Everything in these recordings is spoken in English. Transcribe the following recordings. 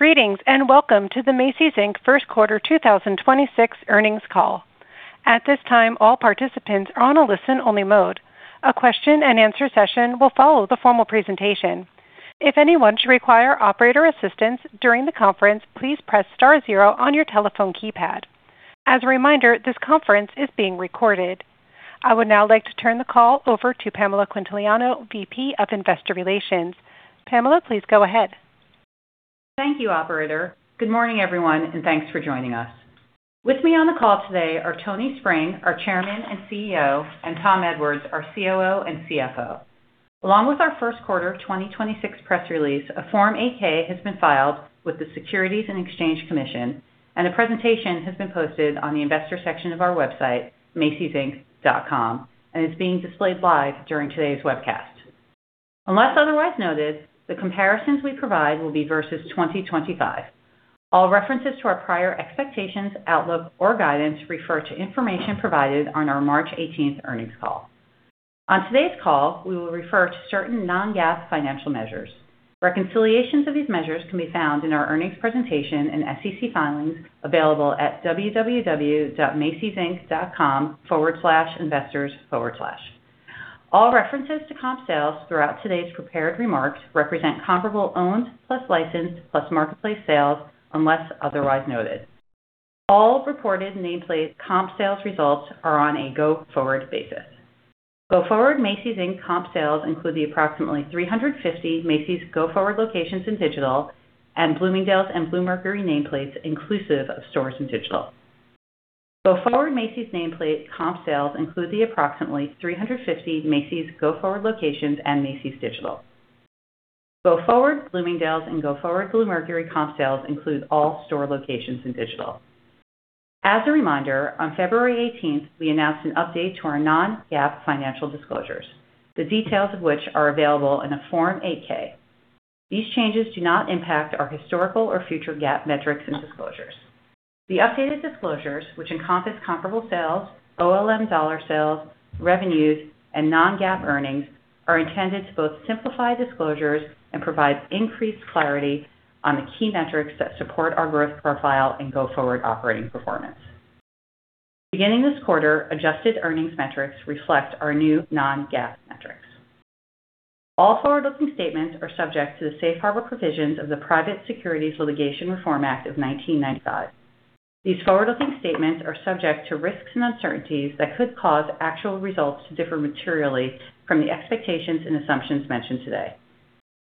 Greetings, welcome to the Macy's, Inc. first quarter 2026 earnings call. At this time, all participants are on a listen-only mode. A question and answer session will follow the formal presentation. If anyone should require operator assistance during the conference, please press star zero on your telephone keypad. As a reminder, this conference is being recorded. I would now like to turn the call over to Pamela Quintiliano, VP of Investor Relations. Pamela, please go ahead. Thank you, Operator. Good morning, everyone, thanks for joining us. With me on the call today are Tony Spring, our Chairman and CEO, and Tom Edwards, our COO and CFO. Along with our first quarter of 2026 press release, a Form 8-K has been filed with the Securities and Exchange Commission, and a presentation has been posted on the investors section of our website, macysinc.com, and is being displayed live during today's webcast. Unless otherwise noted, the comparisons we provide will be versus 2025. All references to our prior expectations, outlook, or guidance refer to information provided on our March 18th earnings call. On today's call, we will refer to certain non-GAAP financial measures. Reconciliations of these measures can be found in our earnings presentation and SEC filings available at www.macysinc.com/investors/. All references to comp sales throughout today's prepared remarks represent comparable Owned-plus-Licensed-plus-Marketplace sales, unless otherwise noted. All reported nameplate comp sales results are on a go-forward basis. Go-forward Macy's, Inc. comp sales include the approximately 350 Macy's go-forward locations in digital and Bloomingdale's and Bluemercury nameplates, inclusive of stores in digital. Go-forward Macy's nameplate comp sales include the approximately 350 Macy's go-forward locations and Macy's digital. Go-forward Bloomingdale's and go-forward Bluemercury comp sales include all store locations in digital. As a reminder, on February 18th, we announced an update to our non-GAAP financial disclosures. The details of which are available in a Form 8-K. These changes do not impact our historical or future GAAP metrics and disclosures. The updated disclosures, which encompass comparable sales, O+L+M dollar sales, revenues, and non-GAAP earnings, are intended to both simplify disclosures and provide increased clarity on the key metrics that support our growth profile and go forward operating performance. Beginning this quarter, adjusted earnings metrics reflect our new non-GAAP metrics. All forward-looking statements are subject to the safe harbor provisions of the Private Securities Litigation Reform Act of 1995. These forward-looking statements are subject to risks and uncertainties that could cause actual results to differ materially from the expectations and assumptions mentioned today.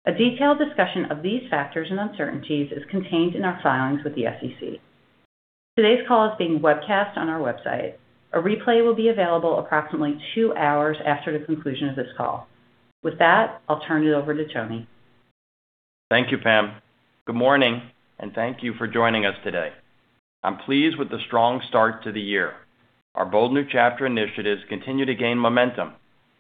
A detailed discussion of these factors and uncertainties is contained in our filings with the SEC. Today's call is being webcast on our website. A replay will be available approximately two hours after the conclusion of this call. With that, I'll turn it over to Tony. Thank you, Pam. Good morning, thank you for joining us today. I'm pleased with the strong start to the year. Our Bold New Chapter initiatives continue to gain momentum.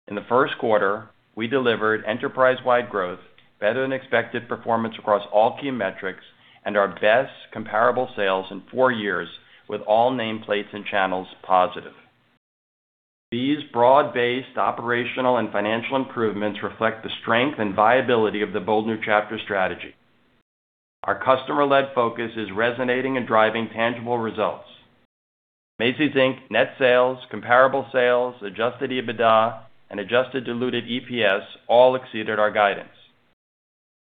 In the first quarter, we delivered enterprise-wide growth, better than expected performance across all key metrics. And our best comparable sales in four years with all nameplates and channels positive. These broad-based operational and financial improvements reflect the strength and viability of the Bold New Chapter strategy. Our customer-led focus is resonating and driving tangible results. Macy's, Inc. net sales, comparable sales, adjusted EBITDA, and adjusted diluted EPS all exceeded our guidance.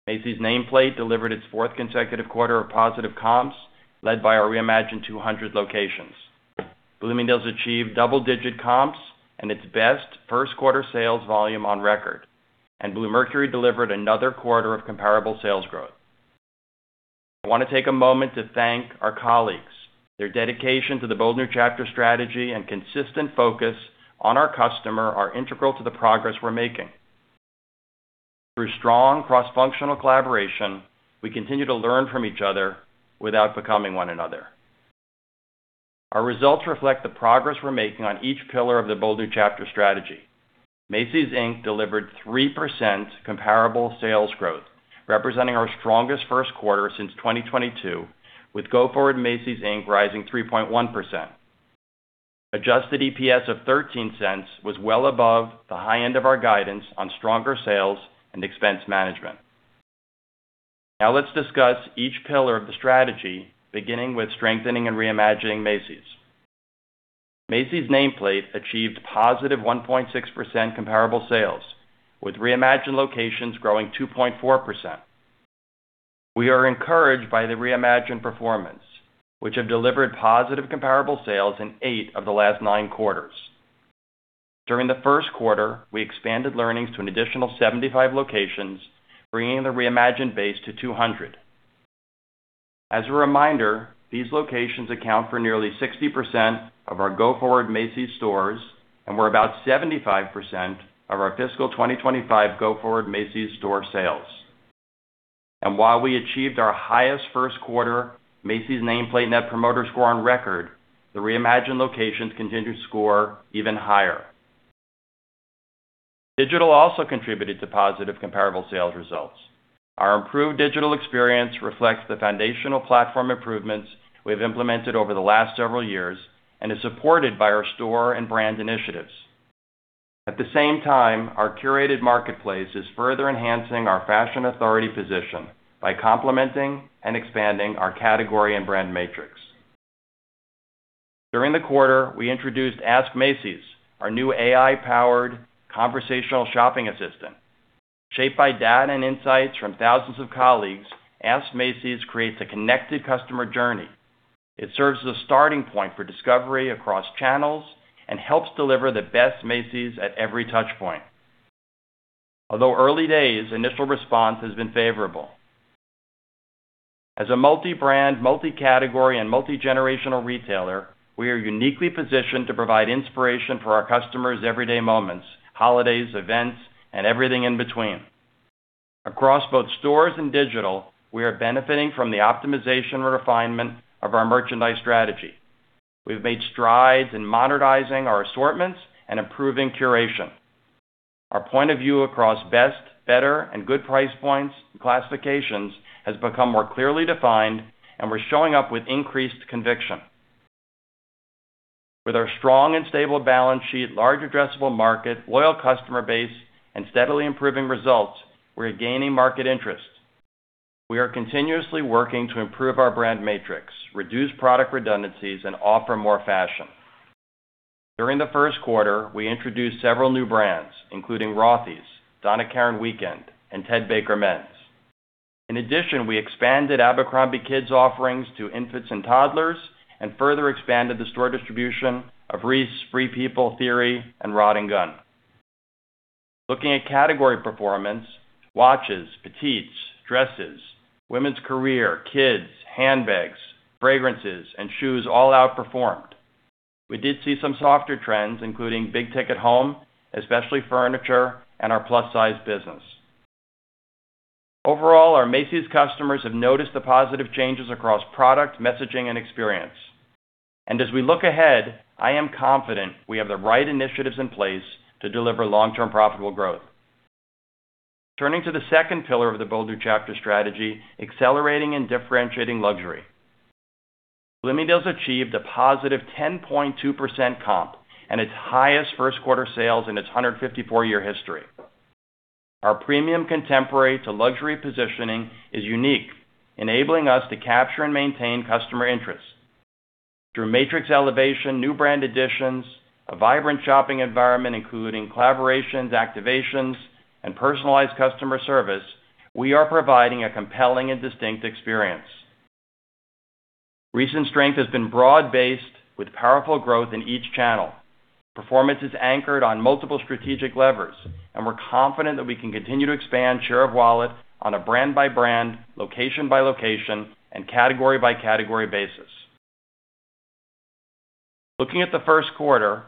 Macy's nameplate delivered its fourth consecutive quarter of positive comps led by our Reimagine 200 locations. Bloomingdale's achieved double-digit comps and its best first quarter sales volume on record, Bluemercury delivered another quarter of comparable sales growth. I want to take a moment to thank our colleagues. Their dedication to the Bold New Chapter strategy and consistent focus on our customer are integral to the progress we're making. Through strong cross-functional collaboration, we continue to learn from each other without becoming one another. Our results reflect the progress we're making on each pillar of the Bold New Chapter strategy. Macy's, Inc. delivered 3% comparable sales growth, representing our strongest first quarter since 2022, with go-forward Macy's, Inc. rising 3.1%. Adjusted EPS of $0.13 was well above the high end of our guidance on stronger sales and expense management. Now let's discuss each pillar of the strategy, beginning with strengthening and reimagining Macy's. Macy's nameplate achieved positive 1.6% comparable sales, with Reimagine locations growing 2.4%. We are encouraged by the Reimagine performance, which have delivered positive comparable sales in eight of the last nine quarters. During the first quarter, we expanded learnings to an additional 75 locations, bringing the Reimagine base to 200. As a reminder, these locations account for nearly 60% of our go-forward Macy's stores and were about 75% of our fiscal 2025 go-forward Macy's store sales. While we achieved our highest first quarter Macy's nameplate Net Promoter Scores on record, the Reimagine locations continued to score even higher. Digital also contributed to positive comparable sales results. Our improved digital experience reflects the foundational platform improvements we have implemented over the last several years and is supported by our store and brand initiatives. At the same time, our curated marketplace is further enhancing our fashion authority position by complementing and expanding our category and brand matrix. During the quarter, we introduced Ask Macy's, our new AI-powered conversational shopping assistant. Shaped by data and insights from thousands of colleagues, Ask Macy's creates a connected customer journey. It serves as a starting point for discovery across channels and helps deliver the best Macy's at every touch point. Although early days, initial response has been favorable. As a multi-brand, multi-category, and multi-generational retailer, we are uniquely positioned to provide inspiration for our customers' everyday moments, holidays, events, and everything in between. Across both stores and digital, we are benefiting from the optimization and refinement of our merchandise strategy. We've made strides in modernizing our assortments and improving curation. Our point of view across best, better, and good price points and classifications has become more clearly defined, and we're showing up with increased conviction. With our strong and stable balance sheet, large addressable market, loyal customer base, and steadily improving results, we're gaining market interest. We are continuously working to improve our brand matrix, reduce product redundancies, and offer more fashion. During the first quarter, we introduced several new brands, including Rothy's, Donna Karan Weekend, and Ted Baker Men's. In addition, we expanded Abercrombie Kids offerings to infants and toddlers and further expanded the store distribution of REISS, Free People, Theory, and Rodd & Gunn. Looking at category performance, watches, petites, dresses, women's career, kids, handbags, fragrances, and shoes all outperformed. We did see some softer trends, including big-ticket home, especially furniture and our plus-size business. Overall, our Macy's customers have noticed the positive changes across product, messaging, and experience. As we look ahead, I am confident we have the right initiatives in place to deliver long-term profitable growth. Turning to the second pillar of the Bold New Chapter strategy, accelerating and differentiating luxury. Bloomingdale's achieved a +10.2% comp and its highest first quarter sales in its 154-year history. Our premium contemporary to luxury positioning is unique, enabling us to capture and maintain customer interest. Through matrix elevation, new brand additions, a vibrant shopping environment, including collaborations, activations, and personalized customer service, we are providing a compelling and distinct experience. Recent strength has been broad-based with powerful growth in each channel. Performance is anchored on multiple strategic levers, and we're confident that we can continue to expand share of wallet on a brand-by-brand, location-by-location, and category-by-category basis. Looking at the first quarter,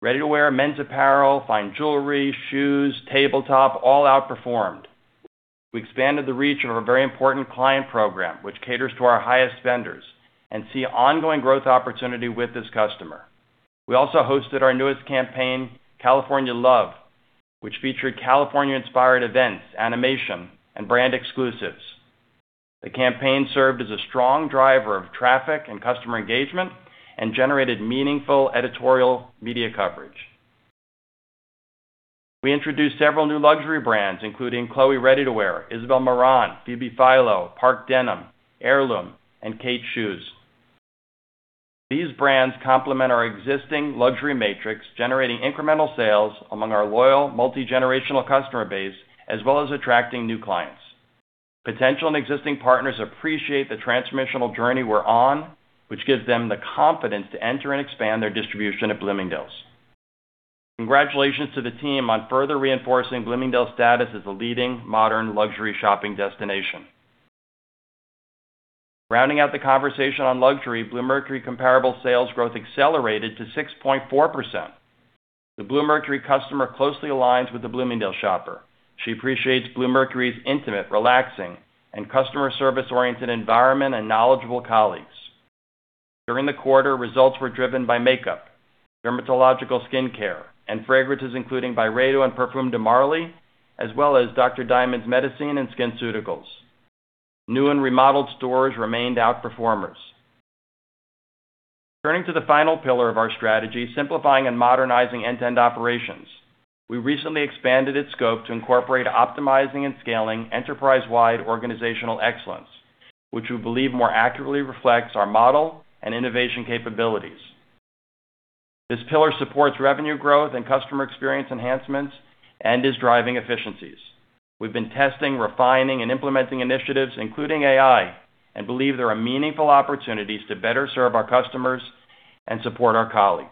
ready-to-wear, men's apparel, fine jewelry, shoes, tabletop all outperformed. We expanded the reach of our very important client program, which caters to our highest spenders and see ongoing growth opportunity with this customer. We also hosted our newest campaign, California Love, which featured California-inspired events, animation, and brand exclusives. The campaign served as a strong driver of traffic and customer engagement and generated meaningful editorial media coverage. We introduced several new luxury brands, including Chloé Ready-to-Wear, Isabel Marant, Phoebe Philo, PRPS Denim, Heirloom, and Khaite Shoes. These brands complement our existing luxury matrix, generating incremental sales among our loyal multi-generational customer base, as well as attracting new clients. Potential and existing partners appreciate the transformational journey we're on, which gives them the confidence to enter and expand their distribution at Bloomingdale's. Congratulations to the team on further reinforcing Bloomingdale's status as a leading modern luxury shopping destination. Rounding out the conversation on luxury, Bluemercury comparable sales growth accelerated to 6.4%. The Bluemercury customer closely aligns with the Bloomingdale's shopper. She appreciates Bluemercury's intimate, relaxing, and customer service-oriented environment and knowledgeable colleagues. During the quarter, results were driven by makeup, dermatological skincare, and fragrances, including BYREDO and Parfums de Marly, as well as Dr. Diamond's Metacine and SkinCeuticals. New and remodeled stores remained outperformers. Turning to the final pillar of our strategy, simplifying and modernizing end-to-end operations. We recently expanded its scope to incorporate optimizing and scaling enterprise-wide organizational excellence, which we believe more accurately reflects our model and innovation capabilities. This pillar supports revenue growth and customer experience enhancements and is driving efficiencies. We've been testing, refining, and implementing initiatives, including AI, and believe there are meaningful opportunities to better serve our customers and support our colleagues.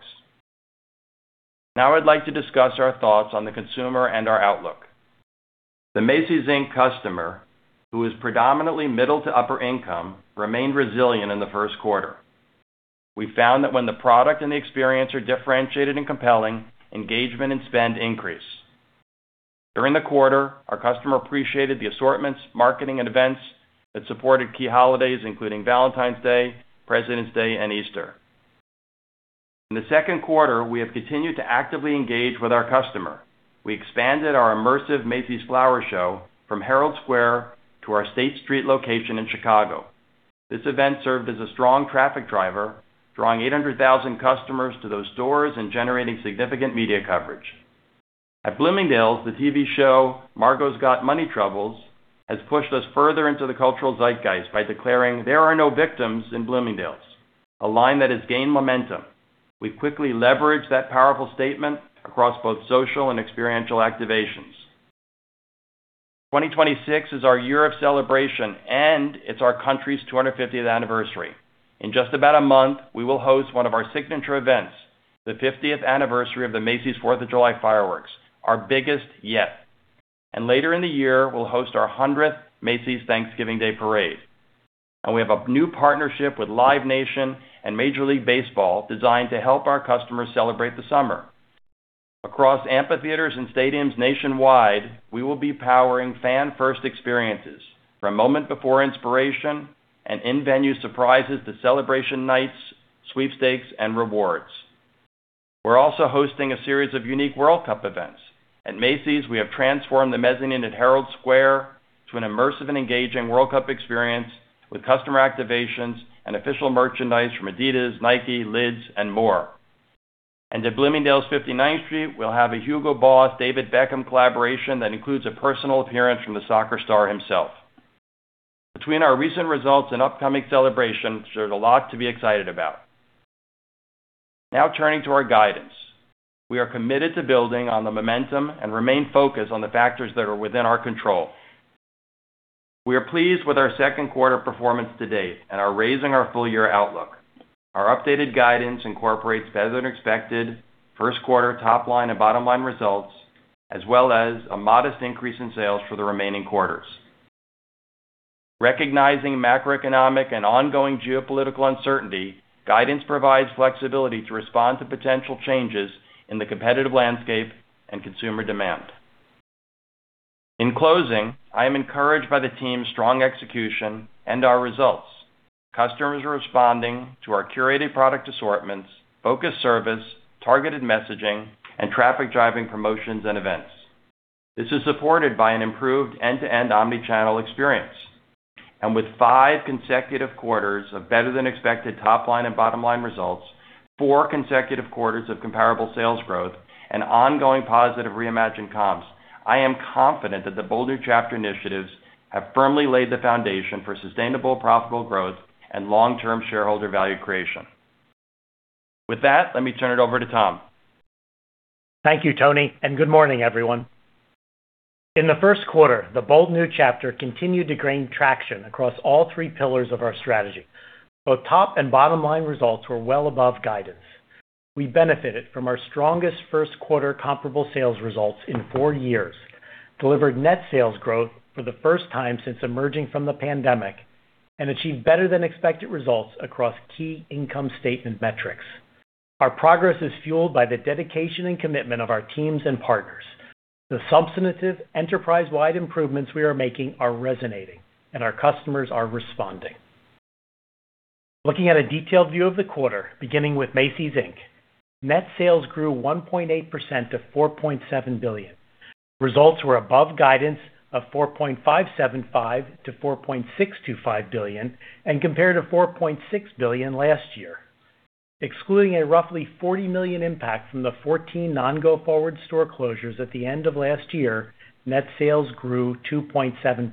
I'd like to discuss our thoughts on the consumer and our outlook. The Macy's, Inc. customer, who is predominantly middle to upper income, remained resilient in the first quarter. We found that when the product and the experience are differentiated and compelling, engagement and spend increase. During the quarter, our customer appreciated the assortments, marketing, and events that supported key holidays, including Valentine's Day, President's Day, and Easter. In the second quarter, we have continued to actively engage with our customer. We expanded our immersive Macy's Flower Show from Herald Square to our State Street location in Chicago. This event served as a strong traffic driver, drawing 800,000 customers to those stores and generating significant media coverage. At Bloomingdale's, the TV show, Margo's Got Money Troubles has pushed us further into the cultural zeitgeist by declaring, "There are no victims in Bloomingdale's," a line that has gained momentum. We quickly leveraged that powerful statement across both social and experiential activations. 2026 is our year of celebration, and it's our country's 250th anniversary. In just about a month, we will host one of our signature events, the 50th anniversary of the Macy's 4th of July Fireworks, our biggest yet. Later in the year, we'll host our 100th Macy's Thanksgiving Day Parade. We have a new partnership with Live Nation and Major League Baseball designed to help our customers celebrate the summer. Across amphitheaters and stadiums nationwide, we will be powering fan-first experiences, from moment before inspiration and in-venue surprises to celebration nights, sweepstakes, and rewards. We're also hosting a series of unique World Cup events. At Macy's, we have transformed the mezzanine at Herald Square to an immersive and engaging World Cup experience with customer activations and official merchandise from Adidas, Nike, Lids, and more. At Bloomingdale's 59th Street, we'll have a Hugo Boss, David Beckham collaboration that includes a personal appearance from the soccer star himself. Between our recent results and upcoming celebrations, there's a lot to be excited about. Now, turning to our guidance. We are committed to building on the momentum and remain focused on the factors that are within our control. We are pleased with our second quarter performance to date and are raising our full-year outlook. Our updated guidance incorporates better than expected first quarter top-line and bottom-line results, as well as a modest increase in sales for the remaining quarters. Recognizing macroeconomic and ongoing geopolitical uncertainty, guidance provides flexibility to respond to potential changes in the competitive landscape and consumer demand. In closing, I am encouraged by the team's strong execution and our results. Customers are responding to our curated product assortments, focused service, targeted messaging, and traffic-driving promotions and events. This is supported by an improved end-to-end omni-channel experience. With five consecutive quarters of better than expected top-line and bottom-line results, four consecutive quarters of comparable sales growth, and ongoing positive Reimagine comps, I am confident that the Bold New Chapter initiatives have firmly laid the foundation for sustainable, profitable growth and long-term shareholder value creation. With that, let me turn it over to Tom. Thank you, Tony, and good morning, everyone. In the first quarter, A Bold New Chapter continued to gain traction across all three pillars of our strategy. Both top and bottom-line results were well above guidance. We benefited from our strongest first quarter comparable sales results in four years, delivered net sales growth for the first time since emerging from the pandemic, and achieved better than expected results across key income statement metrics. Our progress is fueled by the dedication and commitment of our teams and partners. The substantive enterprise-wide improvements we are making are resonating, and our customers are responding. Looking at a detailed view of the quarter, beginning with Macy's, Inc. Net sales grew 1.8% to $4.7 billion. Results were above guidance of $4.575 billion-$4.625 billion and compared to $4.6 billion last year. Excluding a roughly $40 million impact from the 14 non-go-forward store closures at the end of last year, net sales grew 2.7%.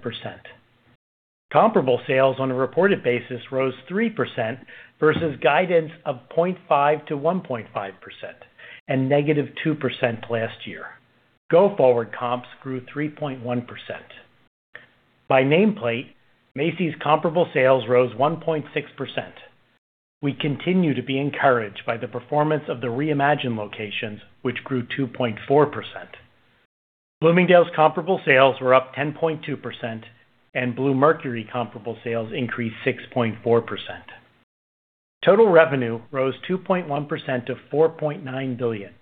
Comparable sales on a reported basis rose 3% versus guidance of 0.5%-1.5%, and -2% last year. Go-forward comps grew 3.1%. By nameplate, Macy's comparable sales rose 1.6%. We continue to be encouraged by the performance of the Reimagine locations, which grew 2.4%. Bloomingdale's comparable sales were up 10.2%, and Bluemercury comparable sales increased 6.4%. Total revenue rose 2.1% to $4.9 billion.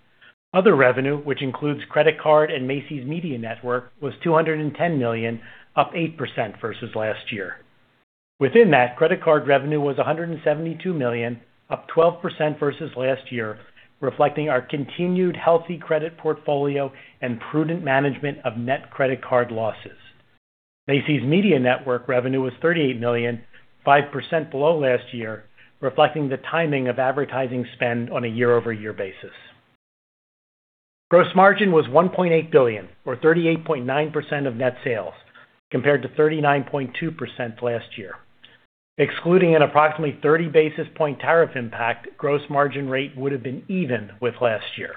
Other revenue, which includes credit card and Macy's Media Network, was $210 million, up 8% versus last year. Within that, credit card revenue was $172 million, up 12% versus last year, reflecting our continued healthy credit portfolio and prudent management of net credit card losses. Macy's Media Network revenue was $38 million, 5% below last year, reflecting the timing of advertising spend on a year-over-year basis. Gross margin was $1.8 billion or 38.9% of net sales, compared to 39.2% last year. Excluding an approximately 30 basis point tariff impact, gross margin rate would have been even with last year.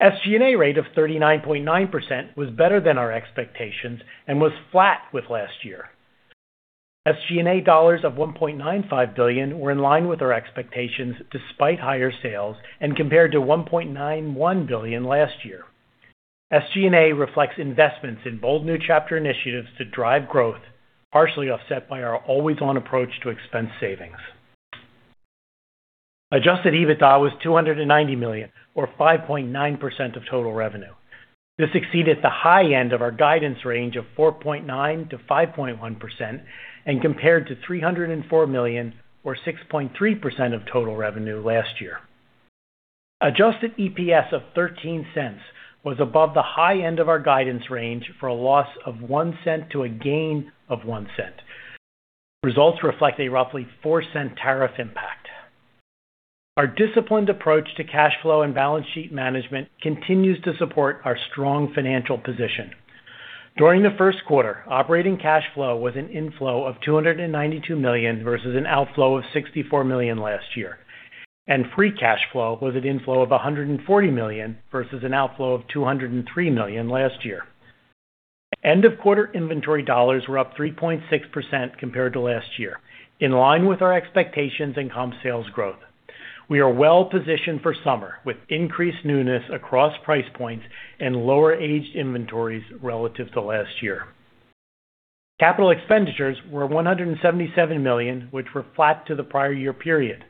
SG&A rate of 39.9% was better than our expectations and was flat with last year. SG&A dollars of $1.95 billion were in line with our expectations despite higher sales and compared to $1.91 billion last year. SG&A reflects investments in Bold New Chapter initiatives to drive growth, partially offset by our always-on approach to expense savings. Adjusted EBITDA was $290 million, or 5.9% of total revenue. This exceeded the high end of our guidance range of 4.9%-5.1% and compared to $304 million, or 6.3% of total revenue last year. Adjusted EPS of $0.13 was above the high end of our guidance range for a loss of $0.01 to a gain of $0.01. Results reflect a roughly $0.04 tariff impact. Our disciplined approach to cash flow and balance sheet management continues to support our strong financial position. During the first quarter, operating cash flow was an inflow of $292 million versus an outflow of $64 million last year, and free cash flow was an inflow of $140 million versus an outflow of $203 million last year. End-of-quarter inventory dollars were up 3.6% compared to last year, in line with our expectations and comp sales growth. We are well-positioned for summer, with increased newness across price points and lower aged inventories relative to last year. Capital expenditures were $177 million, which were flat to the prior year period.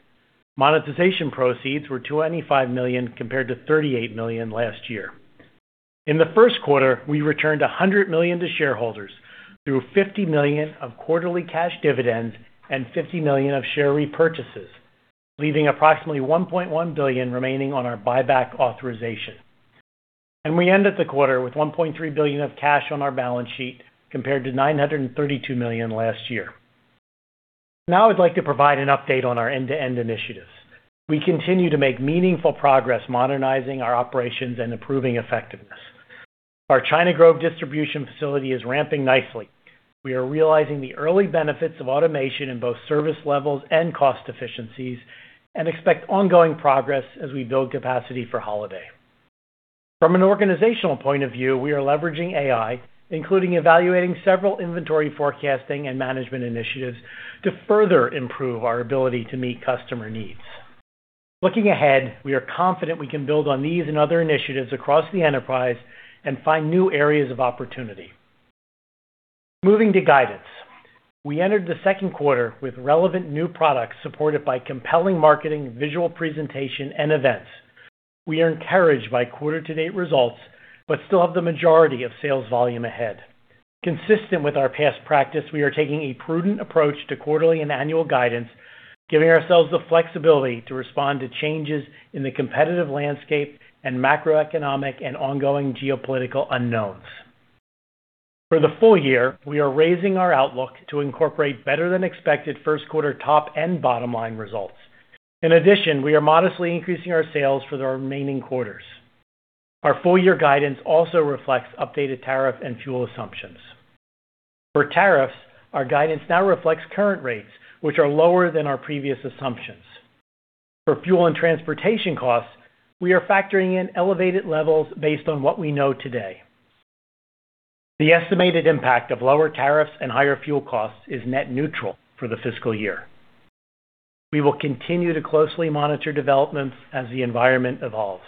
Monetization proceeds were $25 million compared to $38 million last year. In the first quarter, we returned $100 million to shareholders through $50 million of quarterly cash dividends and $50 million of share repurchases, leaving approximately $1.1 billion remaining on our buyback authorization. We ended the quarter with $1.3 billion of cash on our balance sheet, compared to $932 million last year. Now I'd like to provide an update on our end-to-end initiatives. We continue to make meaningful progress modernizing our operations and improving effectiveness. Our China Grove distribution facility is ramping nicely. We are realizing the early benefits of automation in both service levels and cost efficiencies and expect ongoing progress as we build capacity for holiday. From an organizational point of view, we are leveraging AI, including evaluating several inventory forecasting and management initiatives to further improve our ability to meet customer needs. Looking ahead, we are confident we can build on these and other initiatives across the enterprise and find new areas of opportunity. Moving to guidance. We entered the second quarter with relevant new products supported by compelling marketing, visual presentation, and events. We are encouraged by quarter-to-date results, but still have the majority of sales volume ahead. Consistent with our past practice, we are taking a prudent approach to quarterly and annual guidance, giving ourselves the flexibility to respond to changes in the competitive landscape and macroeconomic and ongoing geopolitical unknowns. For the full year, we are raising our outlook to incorporate better-than-expected first quarter top and bottom line results. In addition, we are modestly increasing our sales for the remaining quarters. Our full year guidance also reflects updated tariff and fuel assumptions. For tariffs, our guidance now reflects current rates, which are lower than our previous assumptions. For fuel and transportation costs, we are factoring in elevated levels based on what we know today. The estimated impact of lower tariffs and higher fuel costs is net neutral for the fiscal year. We will continue to closely monitor developments as the environment evolves.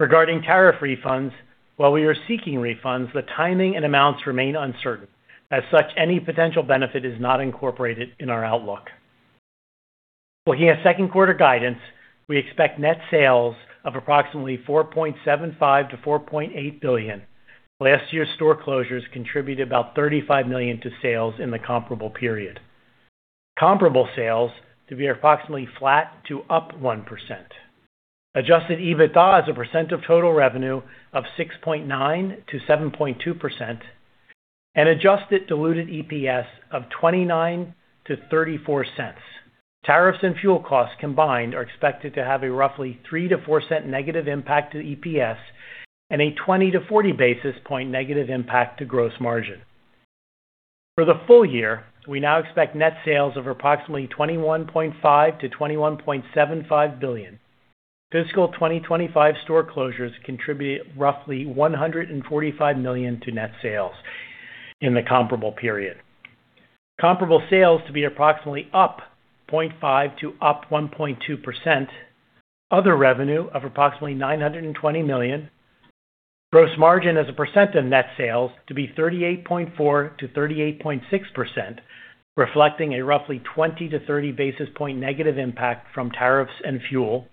Regarding tariff refunds, while we are seeking refunds, the timing and amounts remain uncertain. As such, any potential benefit is not incorporated in our outlook. Looking at second quarter guidance, we expect net sales of approximately $4.75 billion-$4.8 billion. Last year's store closures contributed about $35 million to sales in the comparable period. Comparable sales to be approximately flat to up 1%. Adjusted EBITDA as a percent of total revenue of 6.9%-7.2%, and adjusted diluted EPS of $0.29-$0.34. Tariffs and fuel costs combined are expected to have a roughly $0.03-$0.04 negative impact to EPS and a 20 basis points-40 basis point negative impact to gross margin. For the full year, we now expect net sales of approximately $21.5 billion-$21.75 billion. FY 2025 store closures contribute roughly $145 million to net sales in the comparable period. Comparable sales to be approximately up 0.5%-1.2%. Other revenue of approximately $920 million. Gross margin as a percent of net sales to be 38.4%-38.6%, reflecting a roughly 20 basis points-30 basis points negative impact from tariffs and fuel.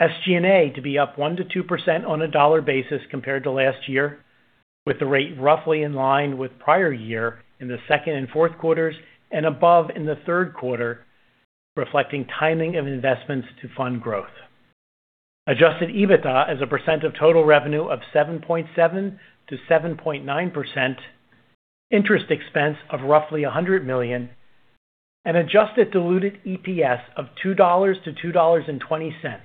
SG&A to be up 1%-2% on a dollar basis compared to last year, with the rate roughly in line with prior year in the second and fourth quarters and above in the third quarter, reflecting timing of investments to fund growth. Adjusted EBITDA as a percent of total revenue of 7.7%-7.9%. Interest expense of roughly $100 million. Adjusted diluted EPS of $2-$2.20,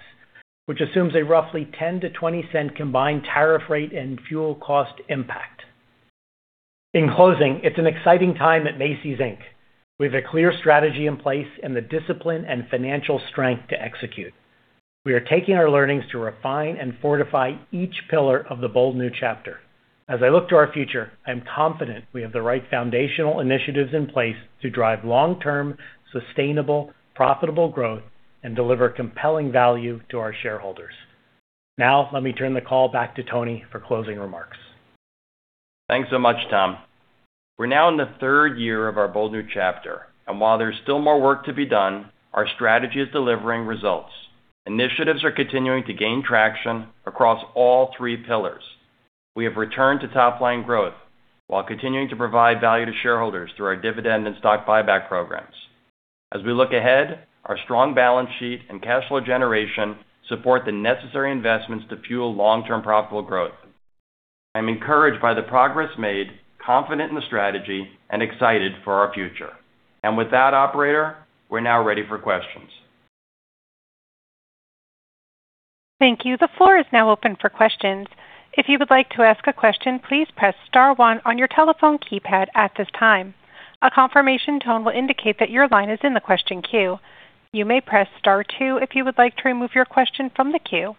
which assumes a roughly $0.10-$0.20 combined tariff rate and fuel cost impact. In closing, it's an exciting time at Macy's, Inc. We have a clear strategy in place and the discipline and financial strength to execute. We are taking our learnings to refine and fortify each pillar of the Bold New Chapter. As I look to our future, I'm confident we have the right foundational initiatives in place to drive long-term, sustainable, profitable growth and deliver compelling value to our shareholders. Now, let me turn the call back to Tony for closing remarks. Thanks so much, Tom. We're now in the third year of our A Bold New Chapter, and while there's still more work to be done, our strategy is delivering results. Initiatives are continuing to gain traction across all three pillars. We have returned to top-line growth while continuing to provide value to shareholders through our dividend and stock buyback programs. As we look ahead, our strong balance sheet and cash flow generation support the necessary investments to fuel long-term profitable growth. I'm encouraged by the progress made, confident in the strategy, and excited for our future. With that, Operator, we're now ready for questions. Thank you. The floor is now open for questions. If you would like to ask a question, please press star one on your telephone keypad at this time. A confirmation tone will indicate that your line is in the question queue. You may press star two if you would like to remove your question from the queue.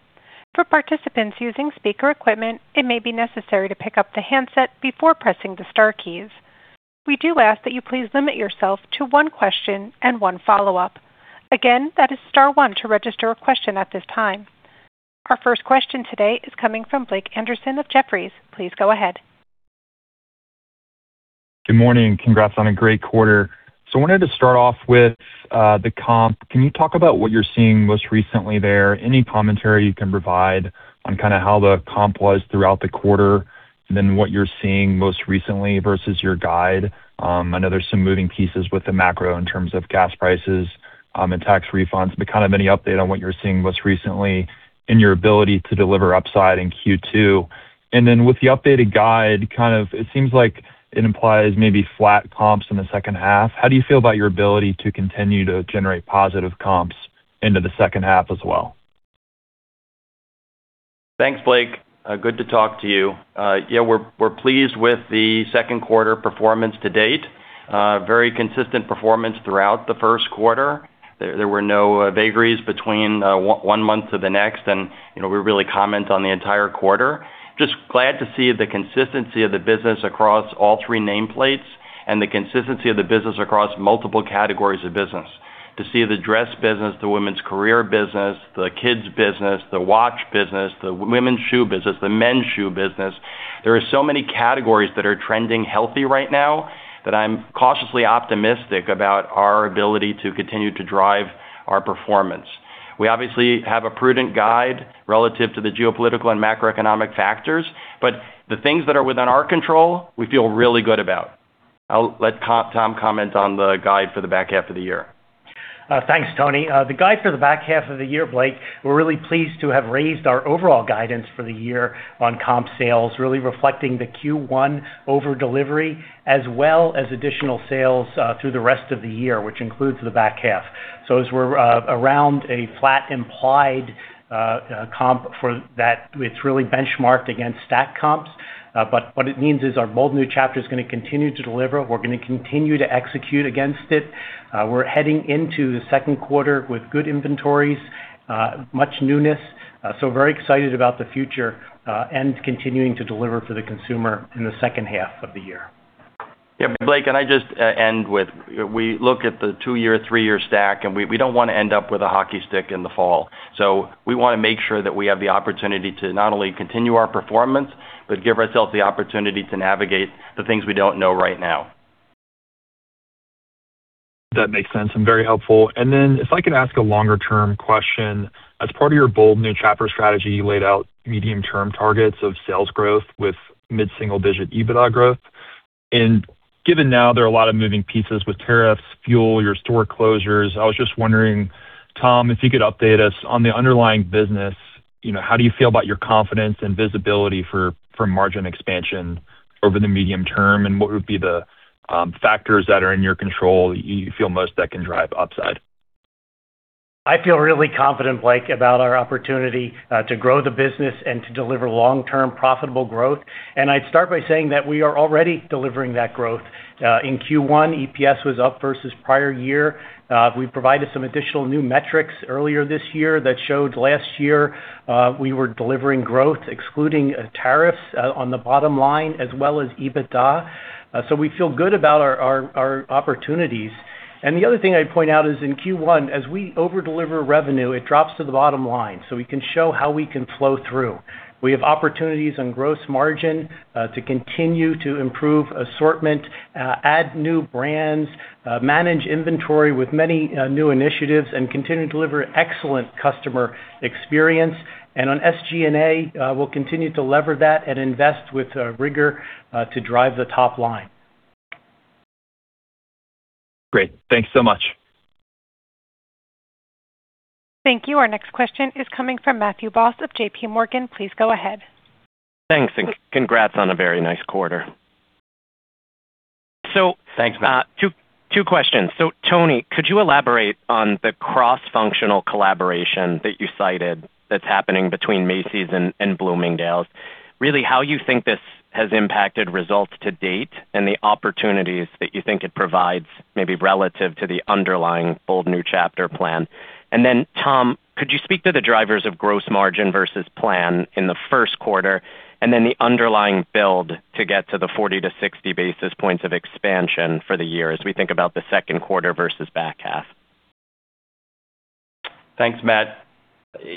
For participants using speaker equipment, it may be necessary to pick up the handset before pressing the star keys. We do ask that you please limit yourself to one question and one follow-up. Again, that is star one to register a question at this time. Our first question today is coming from Blake Anderson of Jefferies. Please go ahead. Good morning, and congrats on a great quarter. Wanted to start off with the comp. Can you talk about what you're seeing most recently there? Any commentary you can provide on kind of how the comp was throughout the quarter and then what you're seeing most recently versus your guide. I know there's some moving pieces with the macro in terms of gas prices, and tax refunds, but kind of any update on what you're seeing most recently in your ability to deliver upside in Q2. With the updated guide, it seems like it implies maybe flat comps in the second half. How do you feel about your ability to continue to generate positive comps into the second half as well? Thanks, Blake. Good to talk to you. We're pleased with the second quarter performance to date. Very consistent performance throughout the first quarter. There were no vagaries between one month to the next, and we really comment on the entire quarter. Just glad to see the consistency of the business across all three nameplates and the consistency of the business across multiple categories of business. To see the dress business, the women's career business, the kids business, the watch business, the women's shoe business, the men's shoe business. There are so many categories that are trending healthy right now that I'm cautiously optimistic about our ability to continue to drive our performance. We obviously have a prudent guide relative to the geopolitical and macroeconomic factors, but the things that are within our control, we feel really good about. I'll let Tom comment on the guide for the back half of the year. Thanks, Tony. The guide for the back half of the year, Blake, we're really pleased to have raised our overall guidance for the year on comp sales, really reflecting the Q1 over-delivery as well as additional sales through the rest of the year, which includes the back half. As we're around a flat implied comp for that, it's really benchmarked against stat comps. What it means is our Bold New Chapter is going to continue to deliver. We're going to continue to execute against it. We're heading into the second quarter with good inventories, much newness. Very excited about the future, and continuing to deliver for the consumer in the second half of the year. Yeah. Blake, can I just end with, we look at the two-year, three-year stack, and we don't want to end up with a hockey stick in the fall. We want to make sure that we have the opportunity to not only continue our performance, but give ourselves the opportunity to navigate the things we don't know right now. That makes sense and very helpful. Then if I can ask a longer-term question. As part of your A Bold New Chapter strategy, you laid out medium-term targets of sales growth with mid-single digit EBITDA growth. Given now there are a lot of moving pieces with tariffs, fuel, your store closures. I was just wondering, Tom, if you could update us on the underlying business, how do you feel about your confidence and visibility for margin expansion over the medium term? And what would be the factors that are in your control you feel most that can drive upside? I feel really confident, Blake, about our opportunity to grow the business and to deliver long-term profitable growth. I'd start by saying that we are already delivering that growth. In Q1, EPS was up versus prior year. We provided some additional new metrics earlier this year that showed last year we were delivering growth, excluding tariffs on the bottom line as well as EBITDA. We feel good about our opportunities. The other thing I'd point out is in Q1, as we over-deliver revenue, it drops to the bottom line, so we can show how we can flow through. We have opportunities on gross margin to continue to improve assortment, add new brands, manage inventory with many new initiatives, and continue to deliver excellent customer experience. On SG&A, we'll continue to lever that and invest with rigor to drive the top line. Great. Thank you so much. Thank you. Our next question is coming from Matthew Boss of JPMorgan. Please go ahead. Thanks, and congrats on a very nice quarter. Thanks, Matt. Two questions. Tony, could you elaborate on the cross-functional collaboration that you cited that's happening between Macy's and Bloomingdale's, really how you think this has impacted results to date and the opportunities that you think it provides? Maybe relative to the underlying A Bold New Chapter plan. Tom, could you speak to the drivers of gross margin versus plan in the first quarter, then the underlying build to get to the 40 basis points-60 basis points of expansion for the year as we think about the second quarter versus back half? Thanks, Matt.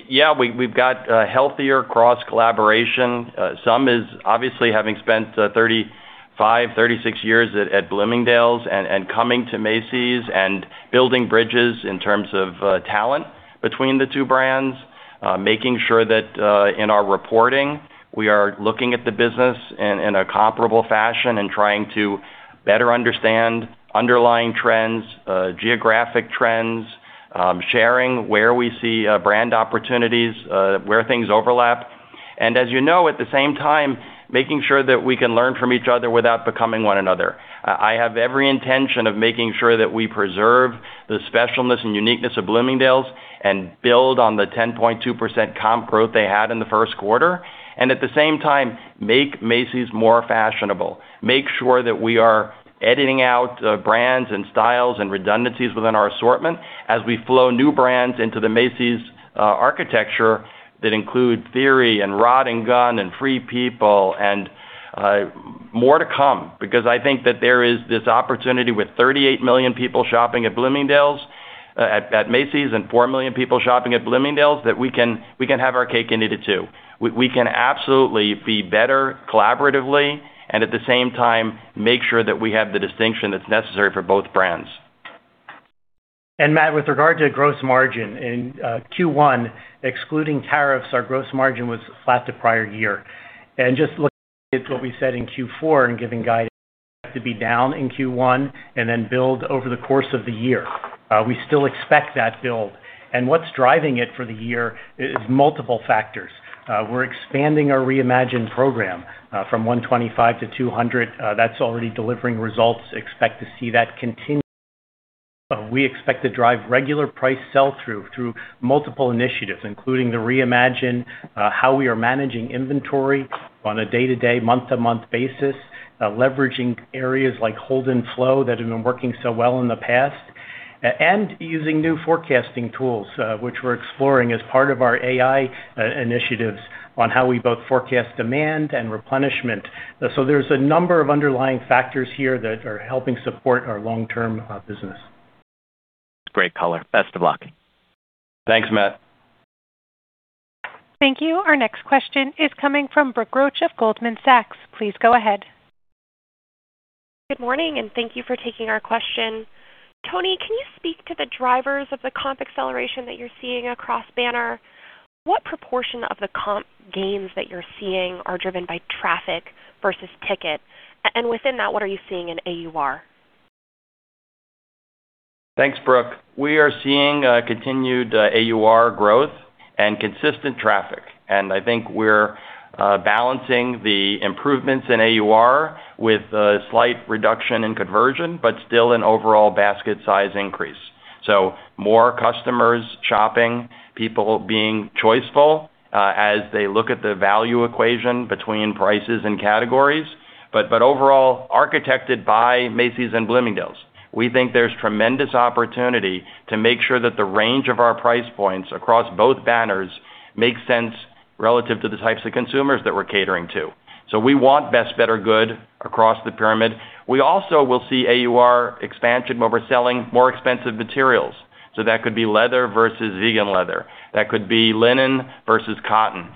Yeah, we've got a healthier cross-collaboration. Some is obviously having spent 35, 36 years at Bloomingdale's and coming to Macy's and building bridges in terms of talent between the two brands. Making sure that in our reporting, we are looking at the business in a comparable fashion and trying to better understand underlying trends, geographic trends, sharing where we see brand opportunities, where things overlap. As you know, at the same time, making sure that we can learn from each other without becoming one another. I have every intention of making sure that we preserve the specialness and uniqueness of Bloomingdale's and build on the 10.2% comp growth they had in the first quarter. At the same time, make Macy's more fashionable, make sure that we are editing out brands and styles and redundancies within our assortment as we flow new brands into the Macy's architecture that include Theory and Rodd & Gunn and Free People and more to come. I think that there is this opportunity with 38 million people shopping at Macy's and four million people shopping at Bloomingdale's, that we can have our cake and eat it too. We can absolutely be better collaboratively and at the same time, make sure that we have the distinction that's necessary for both brands. Matt, with regard to gross margin, in Q1, excluding tariffs, our gross margin was flat to prior year. Just looking at what we said in Q4 and giving guidance, to be down in Q1 and then build over the course of the year. We still expect that build. What's driving it for the year is multiple factors. We're expanding our Reimagine Program from 125-200. That's already delivering results. Expect to see that continue. We expect to drive regular price sell-through through multiple initiatives, including the Reimagine. How we are managing inventory on a day-to-day, month-to-month basis, leveraging areas like hold and flow that have been working so well in the past, and using new forecasting tools, which we're exploring as part of our AI initiatives on how we both forecast demand and replenishment. There's a number of underlying factors here that are helping support our long-term business. Great color. Best of luck. Thanks, Matt. Thank you. Our next question is coming from Brooke Roach of Goldman Sachs. Please go ahead. Good morning, and thank you for taking our question. Tony, can you speak to the drivers of the comp acceleration that you're seeing across banner? What proportion of the comp gains that you're seeing are driven by traffic versus ticket? Within that, what are you seeing in AUR? Thanks, Brooke. We are seeing a continued AUR growth and consistent traffic. I think we're balancing the improvements in AUR with a slight reduction in conversion, but still an overall basket size increase. More customers shopping, people being choiceful, as they look at the value equation between prices and categories, but overall, architected by Macy's and Bloomingdale's. We think there's tremendous opportunity to make sure that the range of our price points across both banners make sense relative to the types of consumers that we're catering to. We want best, better, good across the pyramid. We also will see AUR expansion when we're selling more expensive materials. That could be leather versus vegan leather. That could be linen versus cotton.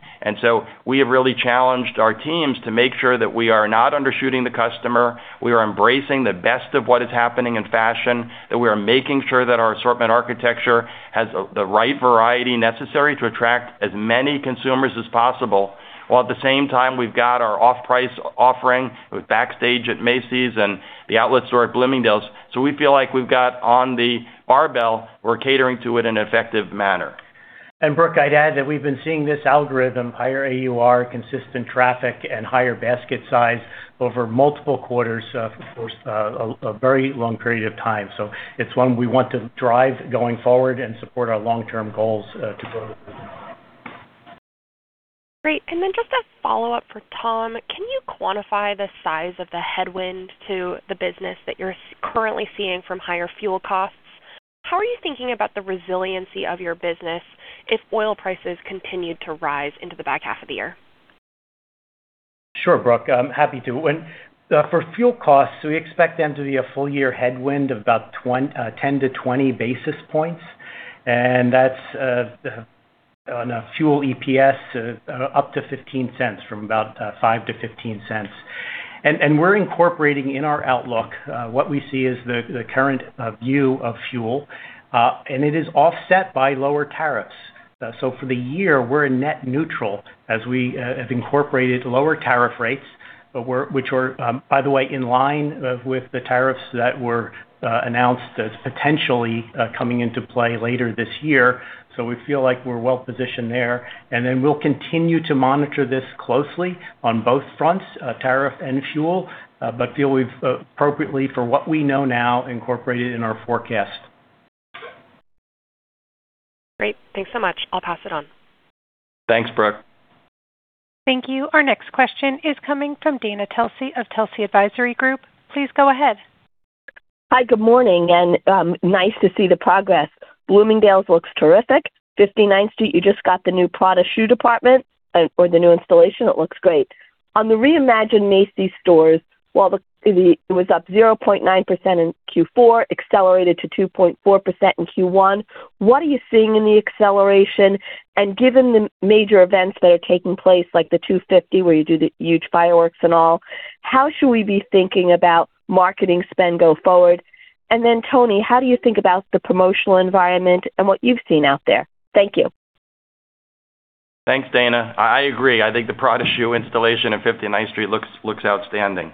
We have really challenged our teams to make sure that we are not undershooting the customer, we are embracing the best of what is happening in fashion, that we are making sure that our assortment architecture has the right variety necessary to attract as many consumers as possible. While at the same time, we've got our off-price offering with Backstage at Macy's and the outlet store at Bloomingdale's. We feel like we've got on the barbell, we're catering to it in an effective manner. Brooke, I'd add that we've been seeing this algorithm, higher AUR, consistent traffic, and higher basket size over multiple quarters for a very long period of time. It's one we want to drive going forward and support our long-term goals to go to. Great. Just a follow-up for Tom. Can you quantify the size of the headwind to the business that you're currently seeing from higher fuel costs? How are you thinking about the resiliency of your business if oil prices continued to rise into the back half of the year? Sure, Brooke. Happy to. For fuel costs, we expect them to be a full-year headwind of about 10 basis points-20 basis points, and that's on a fuel EPS up to $0.15 from about $0.05-$0.15. We're incorporating in our outlook what we see as the current view of fuel, and it is offset by lower tariffs. For the year, we're net neutral as we have incorporated lower tariff rates, which were, by the way, in line with the tariffs that were announced as potentially coming into play later this year. We'll continue to monitor this closely on both fronts, tariff and fuel, but feel we've appropriately, for what we know now, incorporated in our forecast. Great. Thanks so much. I'll pass it on. Thanks, Brooke. Thank you. Our next question is coming from Dana Telsey of Telsey Advisory Group. Please go ahead. Good morning, nice to see the progress. Bloomingdale's looks terrific. 59th Street, you just got the new Prada shoe department or the new installation. It looks great. On the Reimagine Macy's stores, while the sales increase was up 0.9% in Q4, accelerated to 2.4% in Q1. What are you seeing in the acceleration? Given the major events that are taking place, like the 250, where you do the huge fireworks and all. How should we be thinking about marketing spend go forward? Tony, how do you think about the promotional environment and what you've seen out there? Thank you. Thanks, Dana. I agree. I think the Prada shoe installation in 59th Street looks outstanding.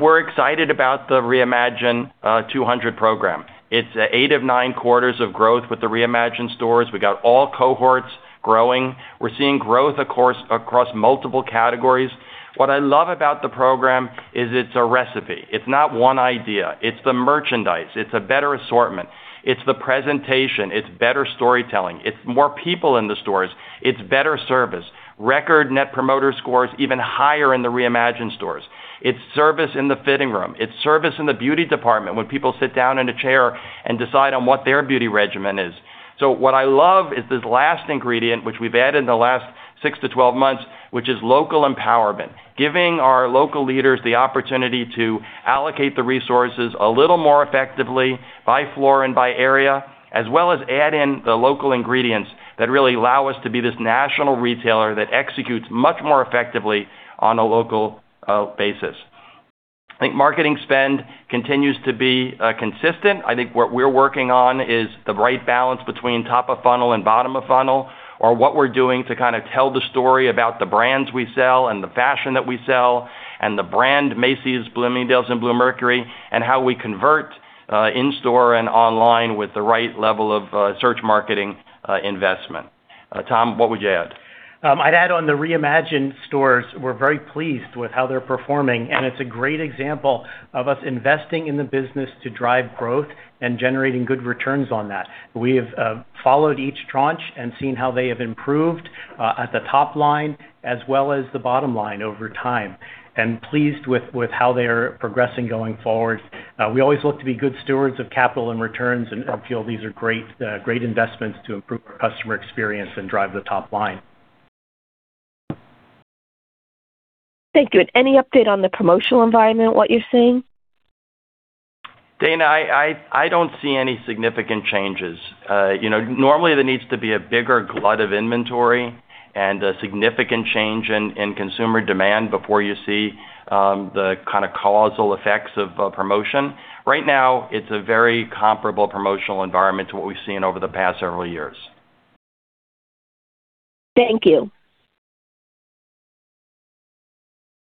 We're excited about the Reimagine 200 Program. It's eight of nine quarters of growth with the Reimagine stores. We got all cohorts growing. We're seeing growth across multiple categories. What I love about the program is it's a recipe. It's not one idea. It's the merchandise. It's a better assortment. It's the presentation. It's better storytelling. It's more people in the stores. It's better service. Record Net Promoter Scores even higher in the Reimagine stores. It's service in the fitting room. It's service in the beauty department when people sit down in a chair and decide on what their beauty regimen is. What I love is this last ingredient, which we've added in the last six to 12 months, which is local empowerment, giving our local leaders the opportunity to allocate the resources a little more effectively by floor and by area, as well as add in the local ingredients that really allow us to be this national retailer that executes much more effectively on a local basis. I think marketing spend continues to be consistent. I think what we're working on is the right balance between top of funnel and bottom of funnel, or what we're doing to kind of tell the story about the brands we sell and the fashion that we sell, and the brand Macy's, Bloomingdale's, and Bluemercury. And how we convert in-store and online with the right level of search marketing investment. Tom, what would you add? I'd add on the Reimagine stores, we're very pleased with how they're performing. It's a great example of us investing in the business to drive growth and generating good returns on that. We have followed each tranche and seen how they have improved at the top line as well as the bottom line over time. Pleased with how they are progressing going forward. We always look to be good stewards of capital and returns. Feel these are great investments to improve our customer experience and drive the top line. Thank you. Any update on the promotional environment? What you're seeing? Dana, I don't see any significant changes. Normally there needs to be a bigger glut of inventory and a significant change in consumer demand before you see the kind of causal effects of a promotion. Right now, it's a very comparable promotional environment to what we've seen over the past several years. Thank you.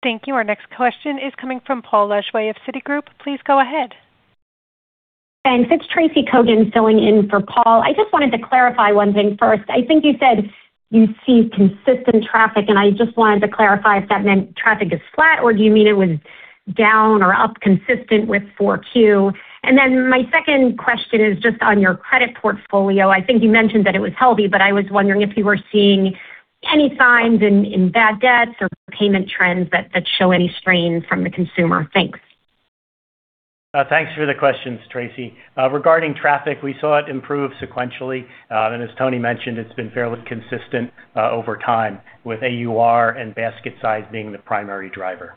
Thank you. Our next question is coming from Paul Lejuez of Citigroup. Please go ahead. Since Tracy Kogan's filling in for Paul. I just wanted to clarify one thing first. I think you said you see consistent traffic, and I just wanted to clarify if that meant traffic is flat, or do you mean it was down or up consistent with 4Q? Then my second question is just on your credit portfolio. I think you mentioned that it was healthy, but I was wondering if you were seeing any signs in bad debts or payment trends that show any strain from the consumer? Thanks. Thanks for the questions, Tracy. Regarding traffic, we saw it improve sequentially. As Tony mentioned, it's been fairly consistent over time with AUR and basket size being the primary driver.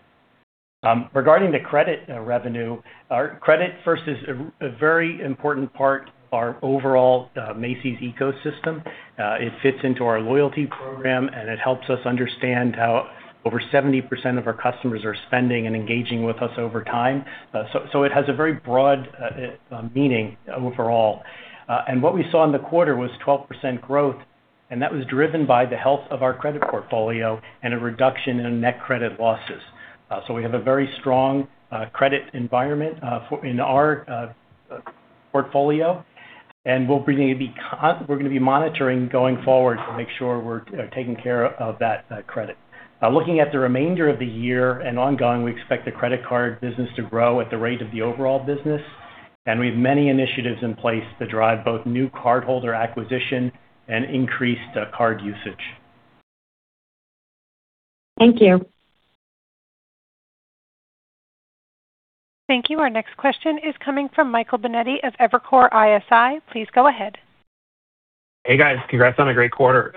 Regarding the credit revenue, our credit first is a very important part our overall Macy's ecosystem. It fits into our loyalty program, and it helps us understand how over 70% of our customers are spending and engaging with us over time. It has a very broad meaning overall. What we saw in the quarter was 12% growth, and that was driven by the health of our credit portfolio and a reduction in net credit losses. We have a very strong credit environment in our portfolio, and we're going to be monitoring going forward to make sure we're taking care of that credit. Looking at the remainder of the year and ongoing, we expect the credit card business to grow at the rate of the overall business. We have many initiatives in place to drive both new cardholder acquisition and increased card usage. Thank you. Thank you. Our next question is coming from Michael Binetti of Evercore ISI. Please go ahead. Hey, guys. Congrats on a great quarter.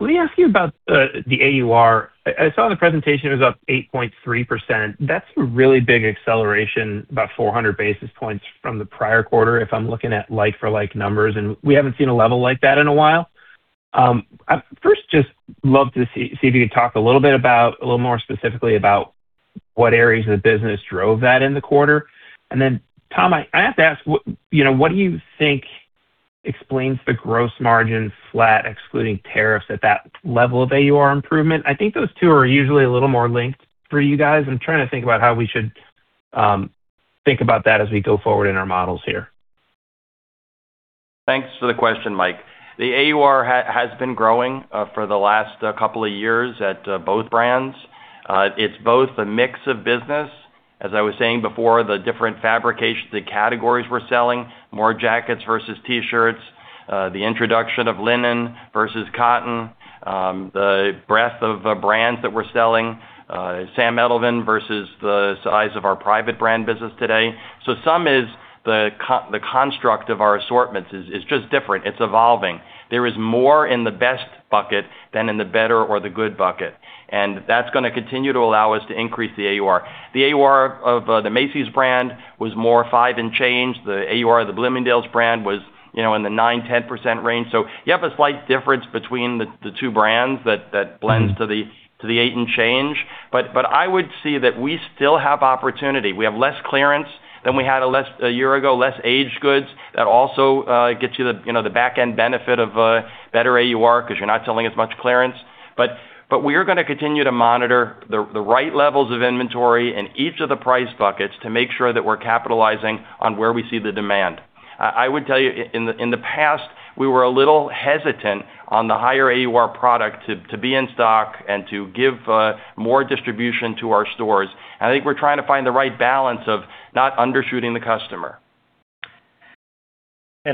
Let me ask you about the AUR. I saw the presentation, it was up 8.3%. That's a really big acceleration, about 400 basis points from the prior quarter, if I'm looking at like for like numbers. We haven't seen a level like that in a while. First, just love to see if you could talk a little bit about, a little more specifically about what areas of the business drove that in the quarter. Tom, I have to ask, what do you think explains the gross margin flat excluding tariffs at that level of AUR improvement? I think those two are usually a little more linked for you guys. I'm trying to think about how we should think about that as we go forward in our models here. Thanks for the question, Mike. The AUR has been growing for the last couple of years at both brands. It's both the mix of business, as I was saying before, the different fabrication, the categories we're selling, more jackets versus T-shirts, the introduction of linen versus cotton, the breadth of brands that we're selling, Sam Edelman versus the size of our private brand business today. Some is the construct of our assortments is just different. It's evolving. There is more in the best bucket than in the better or the good bucket. That's going to continue to allow us to increase the AUR. The AUR of the Macy's brand was more five and change. The AUR of the Bloomingdale's brand was in the nine, 10% range. You have a slight difference between the two brands that blends to the eight and change. I would see that we still have opportunity. We have less clearance than we had a year ago, less aged goods. That also gets you the back-end benefit of a better AUR because you're not selling as much clearance. We are going to continue to monitor the right levels of inventory in each of the price buckets to make sure that we're capitalizing on where we see the demand. I would tell you, in the past, we were a little hesitant on the higher AUR product to be in stock and to give more distribution to our stores. I think we're trying to find the right balance of not undershooting the customer.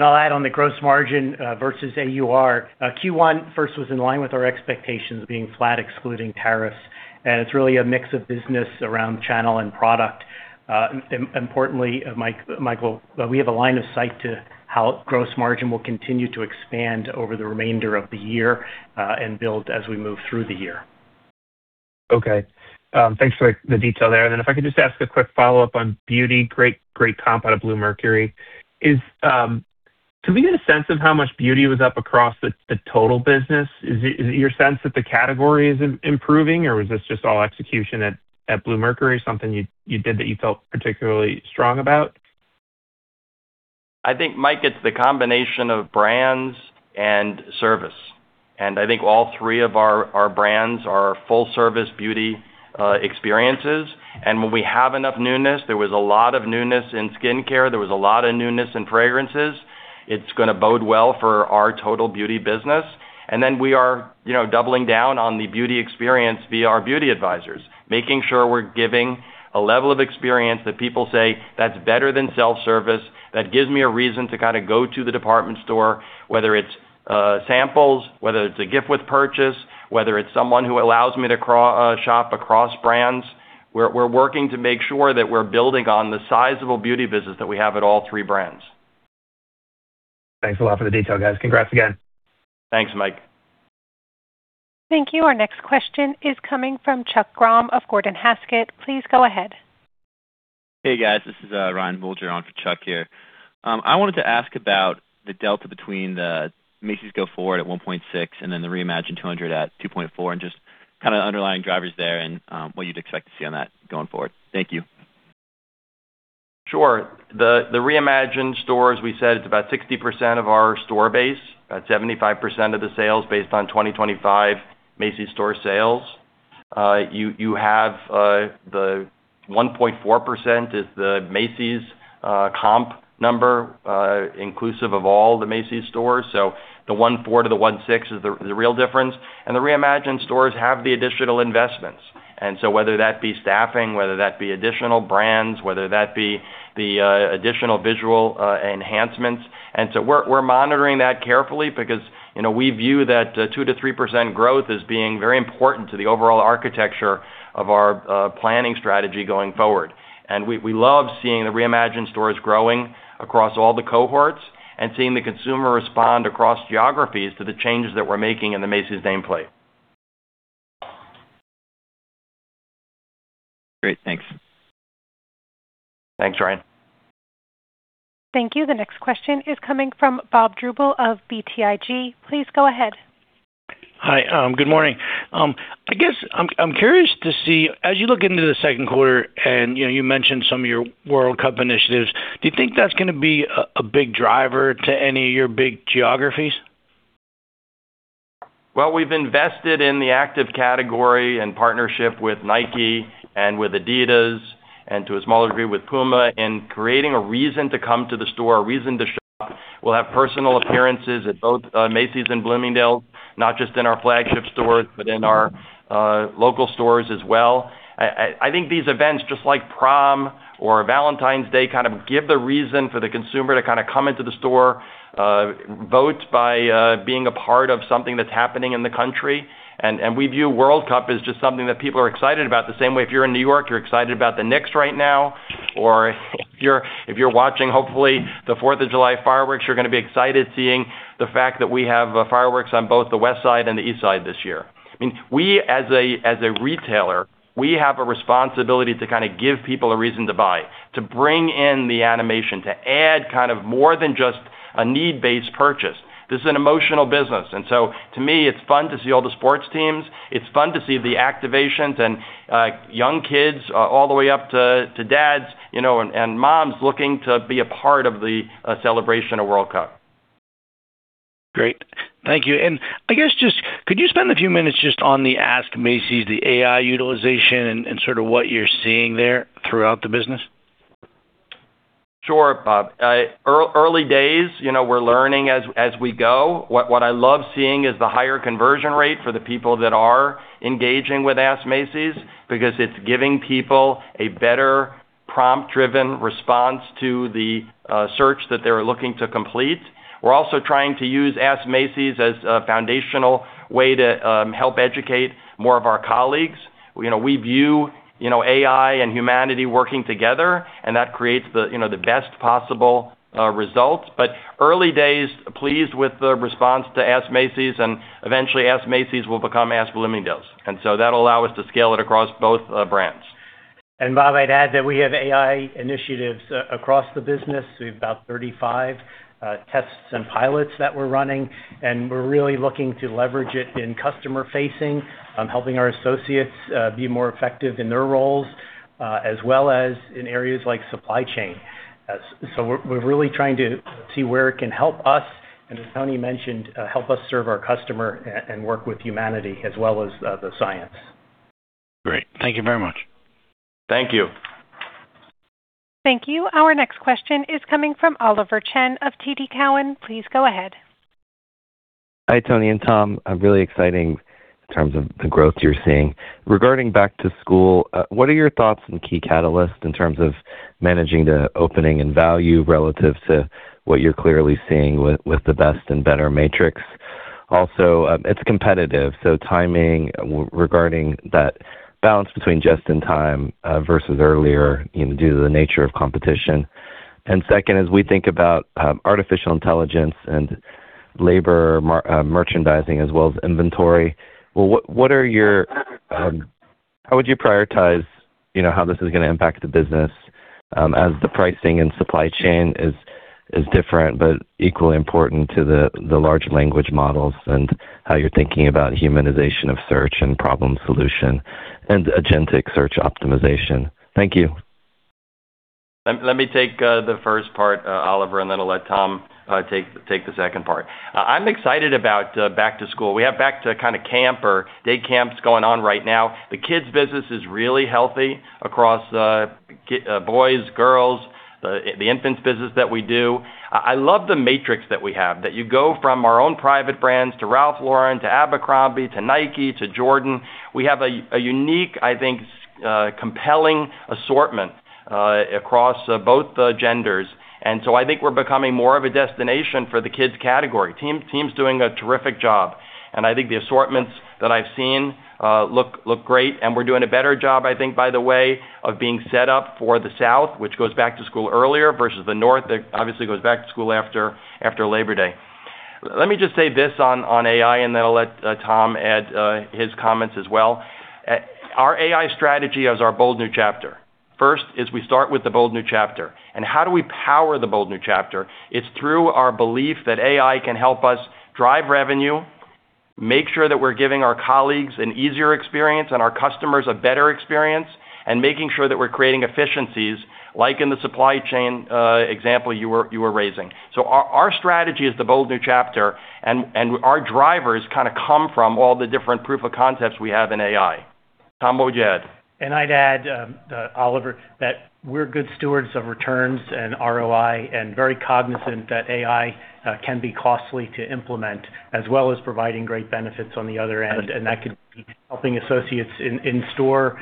I'll add on the gross margin versus AUR. Q1 first was in line with our expectations being flat, excluding tariffs, and it's really a mix of business around channel and product. Importantly, Michael, we have a line of sight to how gross margin will continue to expand over the remainder of the year and build as we move through the year. Okay. Thanks for the detail there. If I could just ask a quick follow-up on beauty. Great comp out of Bluemercury. Can we get a sense of how much beauty was up across the total business? Is it your sense that the category is improving, or was this just all execution at Bluemercury? Something you did that you felt particularly strong about? I think, Mike, it's the combination of brands and service. I think all three of our brands are full-service beauty experiences. When we have enough newness, there was a lot of newness in skincare, there was a lot of newness in fragrances. It's going to bode well for our total beauty business. We are doubling down on the beauty experience via our beauty advisors, making sure we're giving a level of experience that people say, that's better than self-service. That gives me a reason to go to the department store, whether it's samples, whether it's a gift with purchase, whether it's someone who allows me to shop across brands. We're working to make sure that we're building on the sizable beauty business that we have at all three brands. Thanks a lot for the detail, guys. Congrats again. Thanks, Mike. Thank you. Our next question is coming from Chuck Grom of Gordon Haskett. Please go ahead. Hey, guys. This is Ryan Bulger on for Chuck here. I wanted to ask about the delta between the Macy's go forward at 1.6% and then the Reimagine 200 at 2.4%, and just kind of underlying drivers there and what you'd expect to see on that going forward? Thank you. Sure. The Reimagine stores, we said, it's about 60% of our store base, about 75% of the sales based on 2025 Macy's store sales. You have the 1.4% is the Macy's comp number, inclusive of all the Macy's stores. The 1.4%-1.6% is the real difference, and the Reimagine stores have the additional investments. Whether that be staffing, whether that be additional brands, whether that be the additional visual enhancements. We're monitoring that carefully because we view that 2%-3% growth as being very important to the overall architecture of our planning strategy going forward. We love seeing the Reimagine stores growing across all the cohorts and seeing the consumer respond across geographies to the changes that we're making in the Macy's nameplate. Great. Thanks. Thanks, Ryan. Thank you. The next question is coming from Bob Drbul of BTIG. Please go ahead. Hi. Good morning. I guess I'm curious to see, as you look into the second quarter, and you mentioned some of your World Cup initiatives, do you think that's going to be a big driver to any of your big geographies? Well, we've invested in the active category in partnership with Nike and with Adidas, and to a small degree with Puma in creating a reason to come to the store, a reason to shop. We'll have personal appearances at both Macy's and Bloomingdale's, not just in our flagship stores, but in our local stores as well. I think these events, just like prom or Valentine's Day, kind of give the reason for the consumer to come into the store, vote by being a part of something that's happening in the country. We view World Cup as just something that people are excited about. The same way if you're in New York, you're excited about the Knicks right now, or if you're watching, hopefully, the Fourth of July Fireworks, you're going to be excited seeing the fact that we have fireworks on both the West Side and the East Side this year. We, as a retailer, have a responsibility to give people a reason to buy, to bring in the animation, to add more than just a need-based purchase. This is an emotional business. To me, it's fun to see all the sports teams. It's fun to see the activations and young kids all the way up to dads and moms looking to be a part of the celebration of World Cup. Great. Thank you. I guess just could you spend a few minutes just on the Ask Macy's, the AI utilization, and sort of what you're seeing there throughout the business? Sure, Bob. Early days, we're learning as we go. What I love seeing is the higher conversion rate for the people that are engaging with Ask Macy's because it's giving people a better prompt-driven response to the search that they're looking to complete. We're also trying to use Ask Macy's as a foundational way to help educate more of our colleagues. We view AI and humanity working together, and that creates the best possible result. Early days, pleased with the response to Ask Macy's, and eventually, Ask Macy's will become Ask Bloomingdale's. That'll allow us to scale it across both brands. Bob, I'd add that we have AI initiatives across the business. We have about 35 tests and pilots that we're running, and we're really looking to leverage it in customer-facing, helping our associates be more effective in their roles, as well as in areas like supply chain. We're really trying to see where it can help us, and as Tony mentioned, help us serve our customer and work with humanity as well as the science. Great. Thank you very much. Thank you. Thank you. Our next question is coming from Oliver Chen of TD Cowen. Please go ahead. Hi, Tony and Tom. Really exciting in terms of the growth you're seeing. Regarding back to school, what are your thoughts on key catalysts in terms of managing the opening and value relative to what you're clearly seeing with the best and better matrix? It's competitive, timing regarding that balance between just in time versus earlier due to the nature of competition. Second, as we think about artificial intelligence and labor merchandising as well as inventory, how would you prioritize how this is going to impact the business as the pricing and supply chain is different, but equally important to the large language models, and how you're thinking about humanization of search and problem solution and agentic search optimization? Thank you. Let me take the first part, Oliver, then I'll let Tom take the second part. I'm excited about back to school. We have back to camp or day camps going on right now. The kids business is really healthy across boys, girls, the infants business that we do. I love the matrix that we have, that you go from our own private brands to Ralph Lauren, to Abercrombie, to Nike, to Jordan. We have a unique, I think, compelling assortment across both genders. So I think we're becoming more of a destination for the kids category. Team's doing a terrific job, and I think the assortments that I've seen look great and we're doing a better job, I think, by the way, of being set up for the South, which goes back to school earlier versus the North, that obviously goes back to school after Labor Day. Let me just say this on AI, then I'll let Tom add his comments as well. Our AI strategy is our A Bold New Chapter. First is we start with the A Bold New Chapter. How do we power the A Bold New Chapter? It's through our belief that AI can help us drive revenue, make sure that we're giving our colleagues an easier experience and our customers a better experience, and making sure that we're creating efficiencies, like in the supply chain example you were raising. Our strategy is the A Bold New Chapter, and our drivers come from all the different proof of concepts we have in AI. Tom, what would you add? I'd add, Oliver, that we're good stewards of returns and ROI and very cognizant that AI can be costly to implement, as well as providing great benefits on the other end. That could be helping associates in store,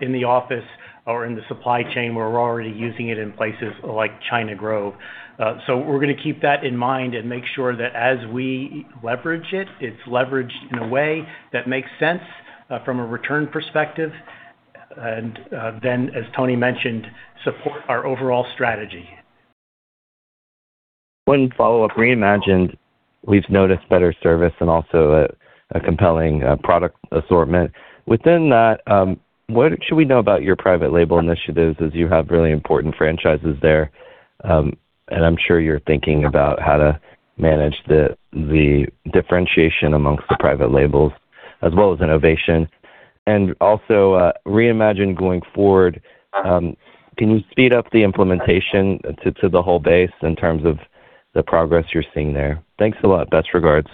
in the office or in the supply chain, where we're already using it in places like China Grove. We're going to keep that in mind and make sure that as we leverage it's leveraged in a way that makes sense from a return perspective, and then, as Tony mentioned, support our overall strategy. One follow-up. Reimagine, we've noticed better service and also a compelling product assortment. Within that, what should we know about your private label initiatives, as you have really important franchises there? I'm sure you're thinking about how to manage the differentiation amongst the private labels as well as innovation. Also, Reimagine going forward, can you speed up the implementation to the whole base in terms of the progress you're seeing there? Thanks a lot. Best regards.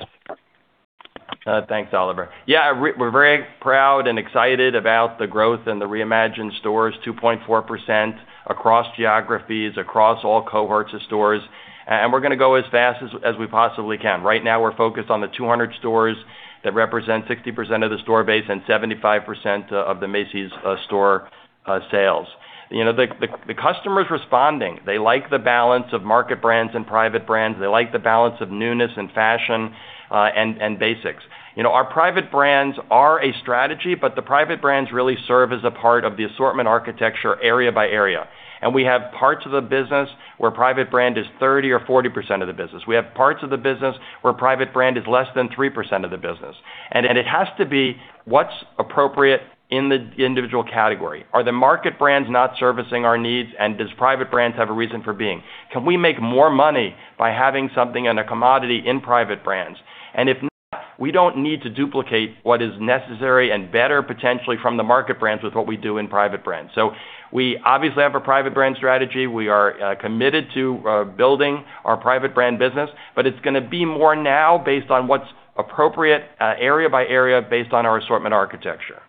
Thanks, Oliver. We're very proud and excited about the growth in the Reimagine stores, 2.4% across geographies, across all cohorts of stores. We're going to go as fast as we possibly can. Right now, we're focused on the 200 stores that represent 60% of the store base and 75% of the Macy's store sales. The customer is responding. They like the balance of market brands and private brands. They like the balance of newness and fashion, and basics. Our private brands are a strategy, but the private brands really serve as a part of the assortment architecture area by area. We have parts of the business where private brand is 30% or 40% of the business. We have parts of the business where private brand is less than 3% of the business. It has to be what's appropriate in the individual category. Are the market brands not servicing our needs, and does private brands have a reason for being? Can we make more money by having something and a commodity in private brands? If not, we don't need to duplicate what is necessary and better potentially from the market brands with what we do in private brands. We obviously have a private brand strategy. We are committed to building our private brand business, but it's going to be more now based on what's appropriate area by area based on our assortment architecture.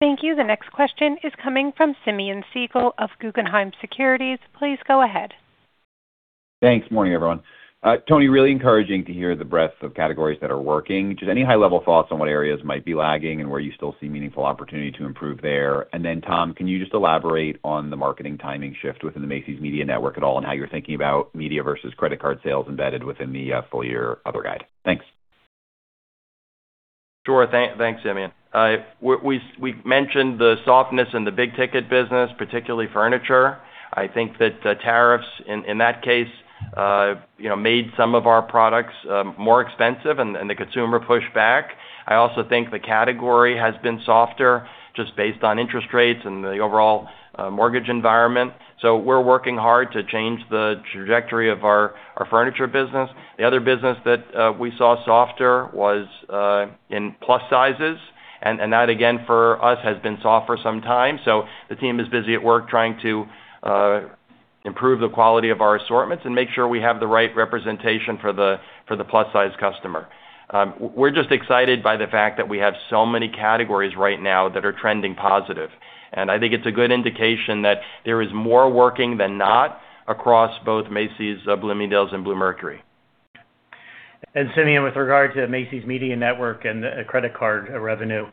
Thank you. The next question is coming from Simeon Siegel of Guggenheim Securities. Please go ahead. Thanks. Morning, everyone. Tony, really encouraging to hear the breadth of categories that are working. Just any high-level thoughts on what areas might be lagging and where you still see meaningful opportunity to improve there? Tom, can you just elaborate on the marketing timing shift within the Macy's Media Network at all, and how you're thinking about media versus credit card sales embedded within the full-year other guide? Thanks. Sure. Thanks, Simeon. We mentioned the softness in the big ticket business, particularly furniture. I think that the tariffs, in that case, made some of our products more expensive and the consumer pushed back. I also think the category has been softer just based on interest rates and the overall mortgage environment. We're working hard to change the trajectory of our furniture business. The other business that we saw softer was in plus sizes, and that, again, for us, has been soft for some time. The team is busy at work trying to improve the quality of our assortments, and make sure we have the right representation for the plus-size customer. We're just excited by the fact that we have so many categories right now that are trending positive. I think it's a good indication that there is more working than not across both Macy's, Bloomingdale's, and Bluemercury. Simeon, with regard to Macy's Media Network and credit card revenue,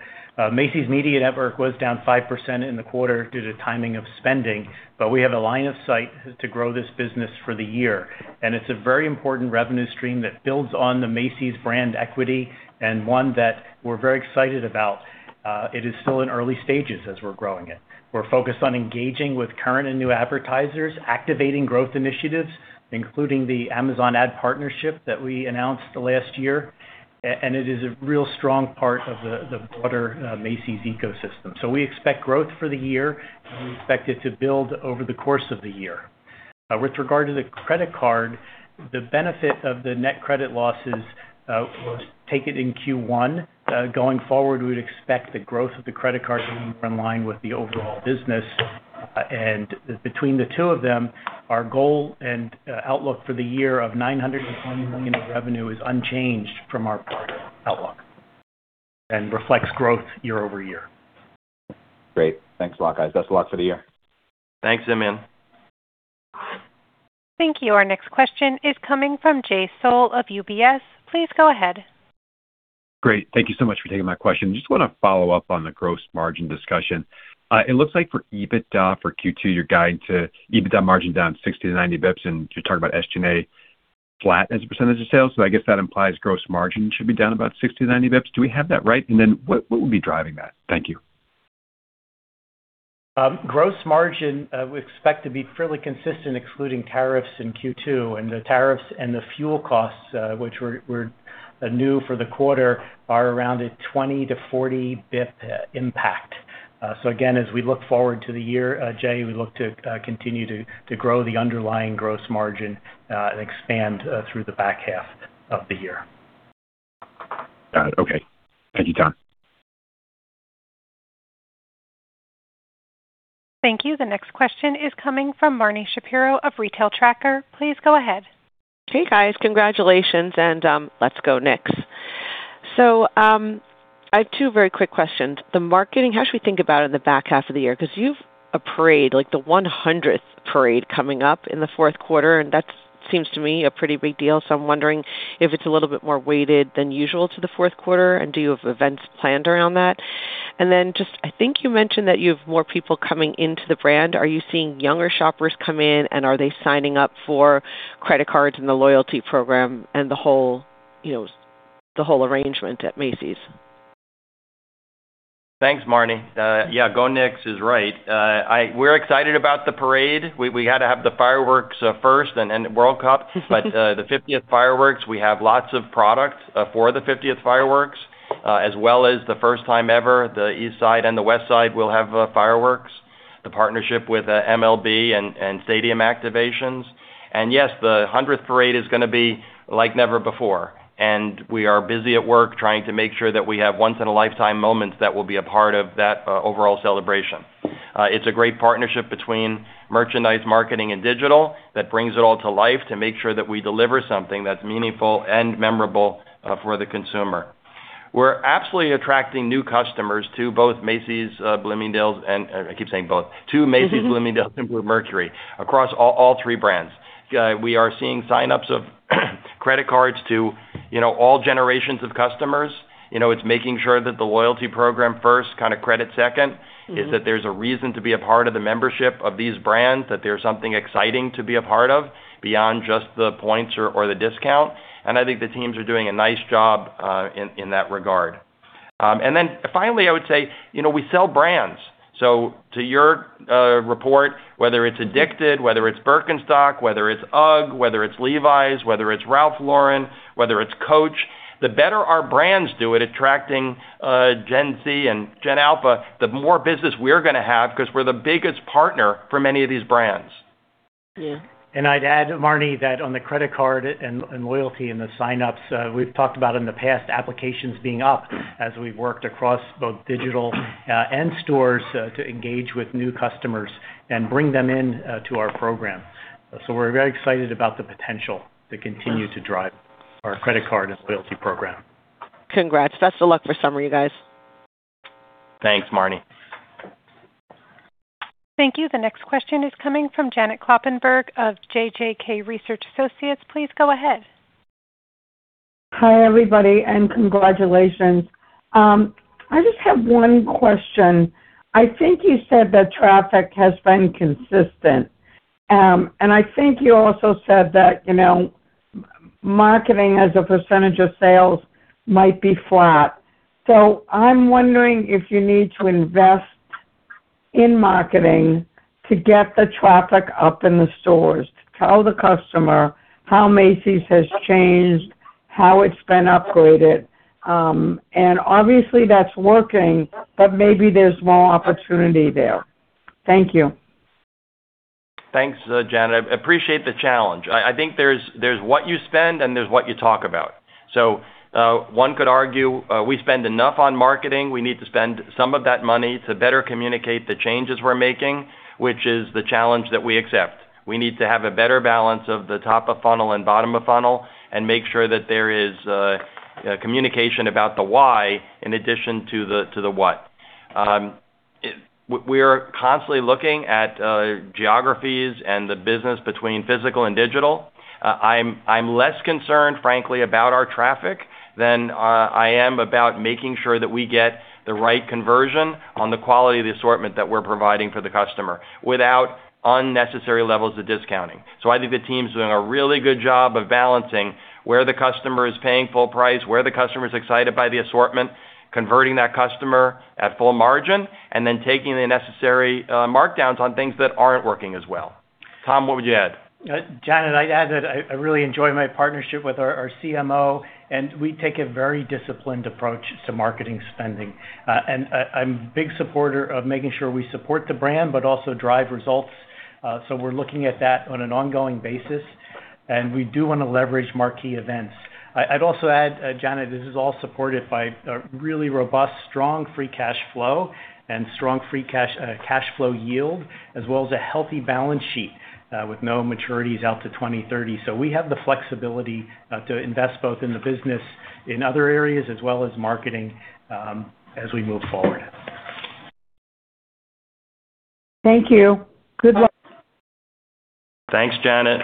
Macy's Media Network was down 5% in the quarter due to timing of spending. We have a line of sight to grow this business for the year. It's a very important revenue stream that builds on the Macy's brand equity and one that we're very excited about. It is still in early stages as we're growing it. We're focused on engaging with current and new advertisers, activating growth initiatives, including the Amazon Ad partnership that we announced last year. It is a real strong part of the broader Macy's ecosystem. We expect growth for the year, and we expect it to build over the course of the year. With regard to the credit card, the benefit of the net credit losses was taken in Q1. Going forward, we'd expect the growth of the credit card to be in line with the overall business. Between the two of them, our goal and outlook for the year of $920 million of revenue is unchanged from our prior outlook and reflects growth year-over-year. Great. Thanks a lot, guys. Best of luck for the year. Thanks, Simeon. Thank you. Our next question is coming from Jay Sole of UBS. Please go ahead. Great. Thank you so much for taking my question. Just want to follow up on the gross margin discussion. It looks like for EBITDA for Q2, you're guiding to EBITDA margin down 60 basis points-90 basis points. You're talking about SG&A flat as a percentage of sales. I guess that implies gross margin should be down about 60 basis points-90 basis points. Do we have that right? What would be driving that? Thank you. Gross margin we expect to be fairly consistent, excluding tariffs in Q2. The tariffs and the fuel costs, which were new for the quarter, are around a 20 basis points-40 basis points impact. Again, as we look forward to the year, Jay, we look to continue to grow the underlying gross margin and expand through the back half of the year. Got it. Okay. Thank you, Tom. Thank you. The next question is coming from Marni Shapiro of Retail Tracker. Please go ahead. Hey, guys. Congratulations. Let's go Knicks. I have two very quick questions. The marketing, how should we think about it in the back half of the year? You've a parade, like the 100th parade coming up in the fourth quarter, and that seems to me a pretty big deal. I'm wondering if it's a little bit more weighted than usual to the fourth quarter, and do you have events planned around that? I think you mentioned that you have more people coming into the brand. Are you seeing younger shoppers come in and are they signing up for credit cards and the loyalty program and the whole arrangement at Macy's? Thanks, Marni. Yeah, go Knicks is right. We're excited about the parade. We had to have the fireworks first and World Cup, but the 50th fireworks. We have lots of product for the 50th fireworks, as well as the first time ever, the East Side and the West Side will have fireworks, the partnership with MLB and stadium activations. Yes, the 100th parade is going to be like never before. We are busy at work trying to make sure that we have once-in-a-lifetime moments that will be a part of that overall celebration. It's a great partnership between merchandise marketing and digital that brings it all to life to make sure that we deliver something that's meaningful and memorable for the consumer. We're absolutely attracting new customers I keep saying both, to Macy's, Bloomingdale's, and Bluemercury, across all three brands. We are seeing sign-ups of credit cards to all generations of customers. It's making sure that the loyalty program first, kind of credit second, is that there's a reason to be a part of the membership of these brands, that there's something exciting to be a part of beyond just the points or the discount. I think the teams are doing a nice job in that regard. Finally, I would say, we sell brands. To your report, whether it's Addicted, whether it's Birkenstock, whether it's UGG, whether it's Levi's, whether it's Ralph Lauren, whether it's Coach, the better our brands do at attracting Gen Z and Gen Alpha, the more business we're going to have because we're the biggest partner for many of these brands. Yeah. I'd add, Marni, that on the credit card and loyalty and the sign-ups. We've talked about in the past applications being up as we've worked across both digital and stores to engage with new customers and bring them in to our program. We're very excited about the potential to continue to drive our credit card and loyalty program. Congrats. Best of luck for summer, you guys. Thanks, Marni. Thank you. The next question is coming from Janet Kloppenburg of JJK Research Associates. Please go ahead. Hi, everybody, congratulations. I just have one question. I think you said that traffic has been consistent. I think you also said that marketing as a percentage of sales might be flat. I'm wondering if you need to invest in marketing to get the traffic up in the stores, to tell the customer how Macy's has changed? How it's been upgraded? Obviously, that's working, but maybe there's more opportunity there. Thank you. Thanks, Janet. I appreciate the challenge. I think there's what you spend and there's what you talk about. One could argue we spend enough on marketing. We need to spend some of that money to better communicate the changes we're making, which is the challenge that we accept. We need to have a better balance of the top of funnel and bottom of funnel and make sure that there is communication about the why in addition to the what. We are constantly looking at geographies and the business between physical and digital. I'm less concerned, frankly, about our traffic than I am about making sure that we get the right conversion on the quality of the assortment that we're providing for the customer without unnecessary levels of discounting. I think the team's doing a really good job of balancing where the customer is paying full price, where the customer is excited by the assortment, converting that customer at full margin, and then taking the necessary markdowns on things that aren't working as well. Tom, what would you add? Janet, I'd add that I really enjoy my partnership with our CMO. We take a very disciplined approach to marketing spending. I'm a big supporter of making sure we support the brand but also drive results. We're looking at that on an ongoing basis. We do want to leverage marquee events. I'd also add, Janet, this is all supported by a really robust, strong free cash flow and strong free cash flow yield, as well as a healthy balance sheet with no maturities out to 2030. We have the flexibility to invest both in the business in other areas as well as marketing as we move forward. Thank you. Good luck. Thanks, Janet.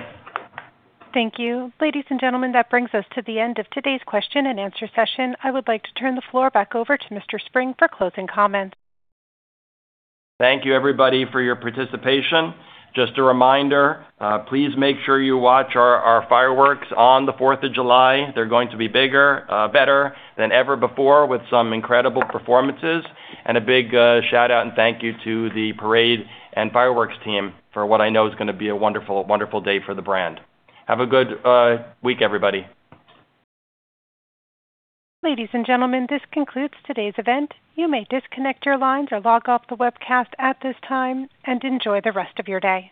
Thank you. Ladies and gentlemen, that brings us to the end of today's question and answer session. I would like to turn the floor back over to Mr. Spring for closing comments. Thank you, everybody, for your participation. Just a reminder, please make sure you watch our Fireworks on the Fourth of July. They're going to be bigger, better than ever before with some incredible performances. A big shout-out and thank you to the parade and fireworks team for what I know is going to be a wonderful day for the brand. Have a good week, everybody. Ladies and gentlemen, this concludes today's event. You may disconnect your lines or log off the webcast at this time, and enjoy the rest of your day.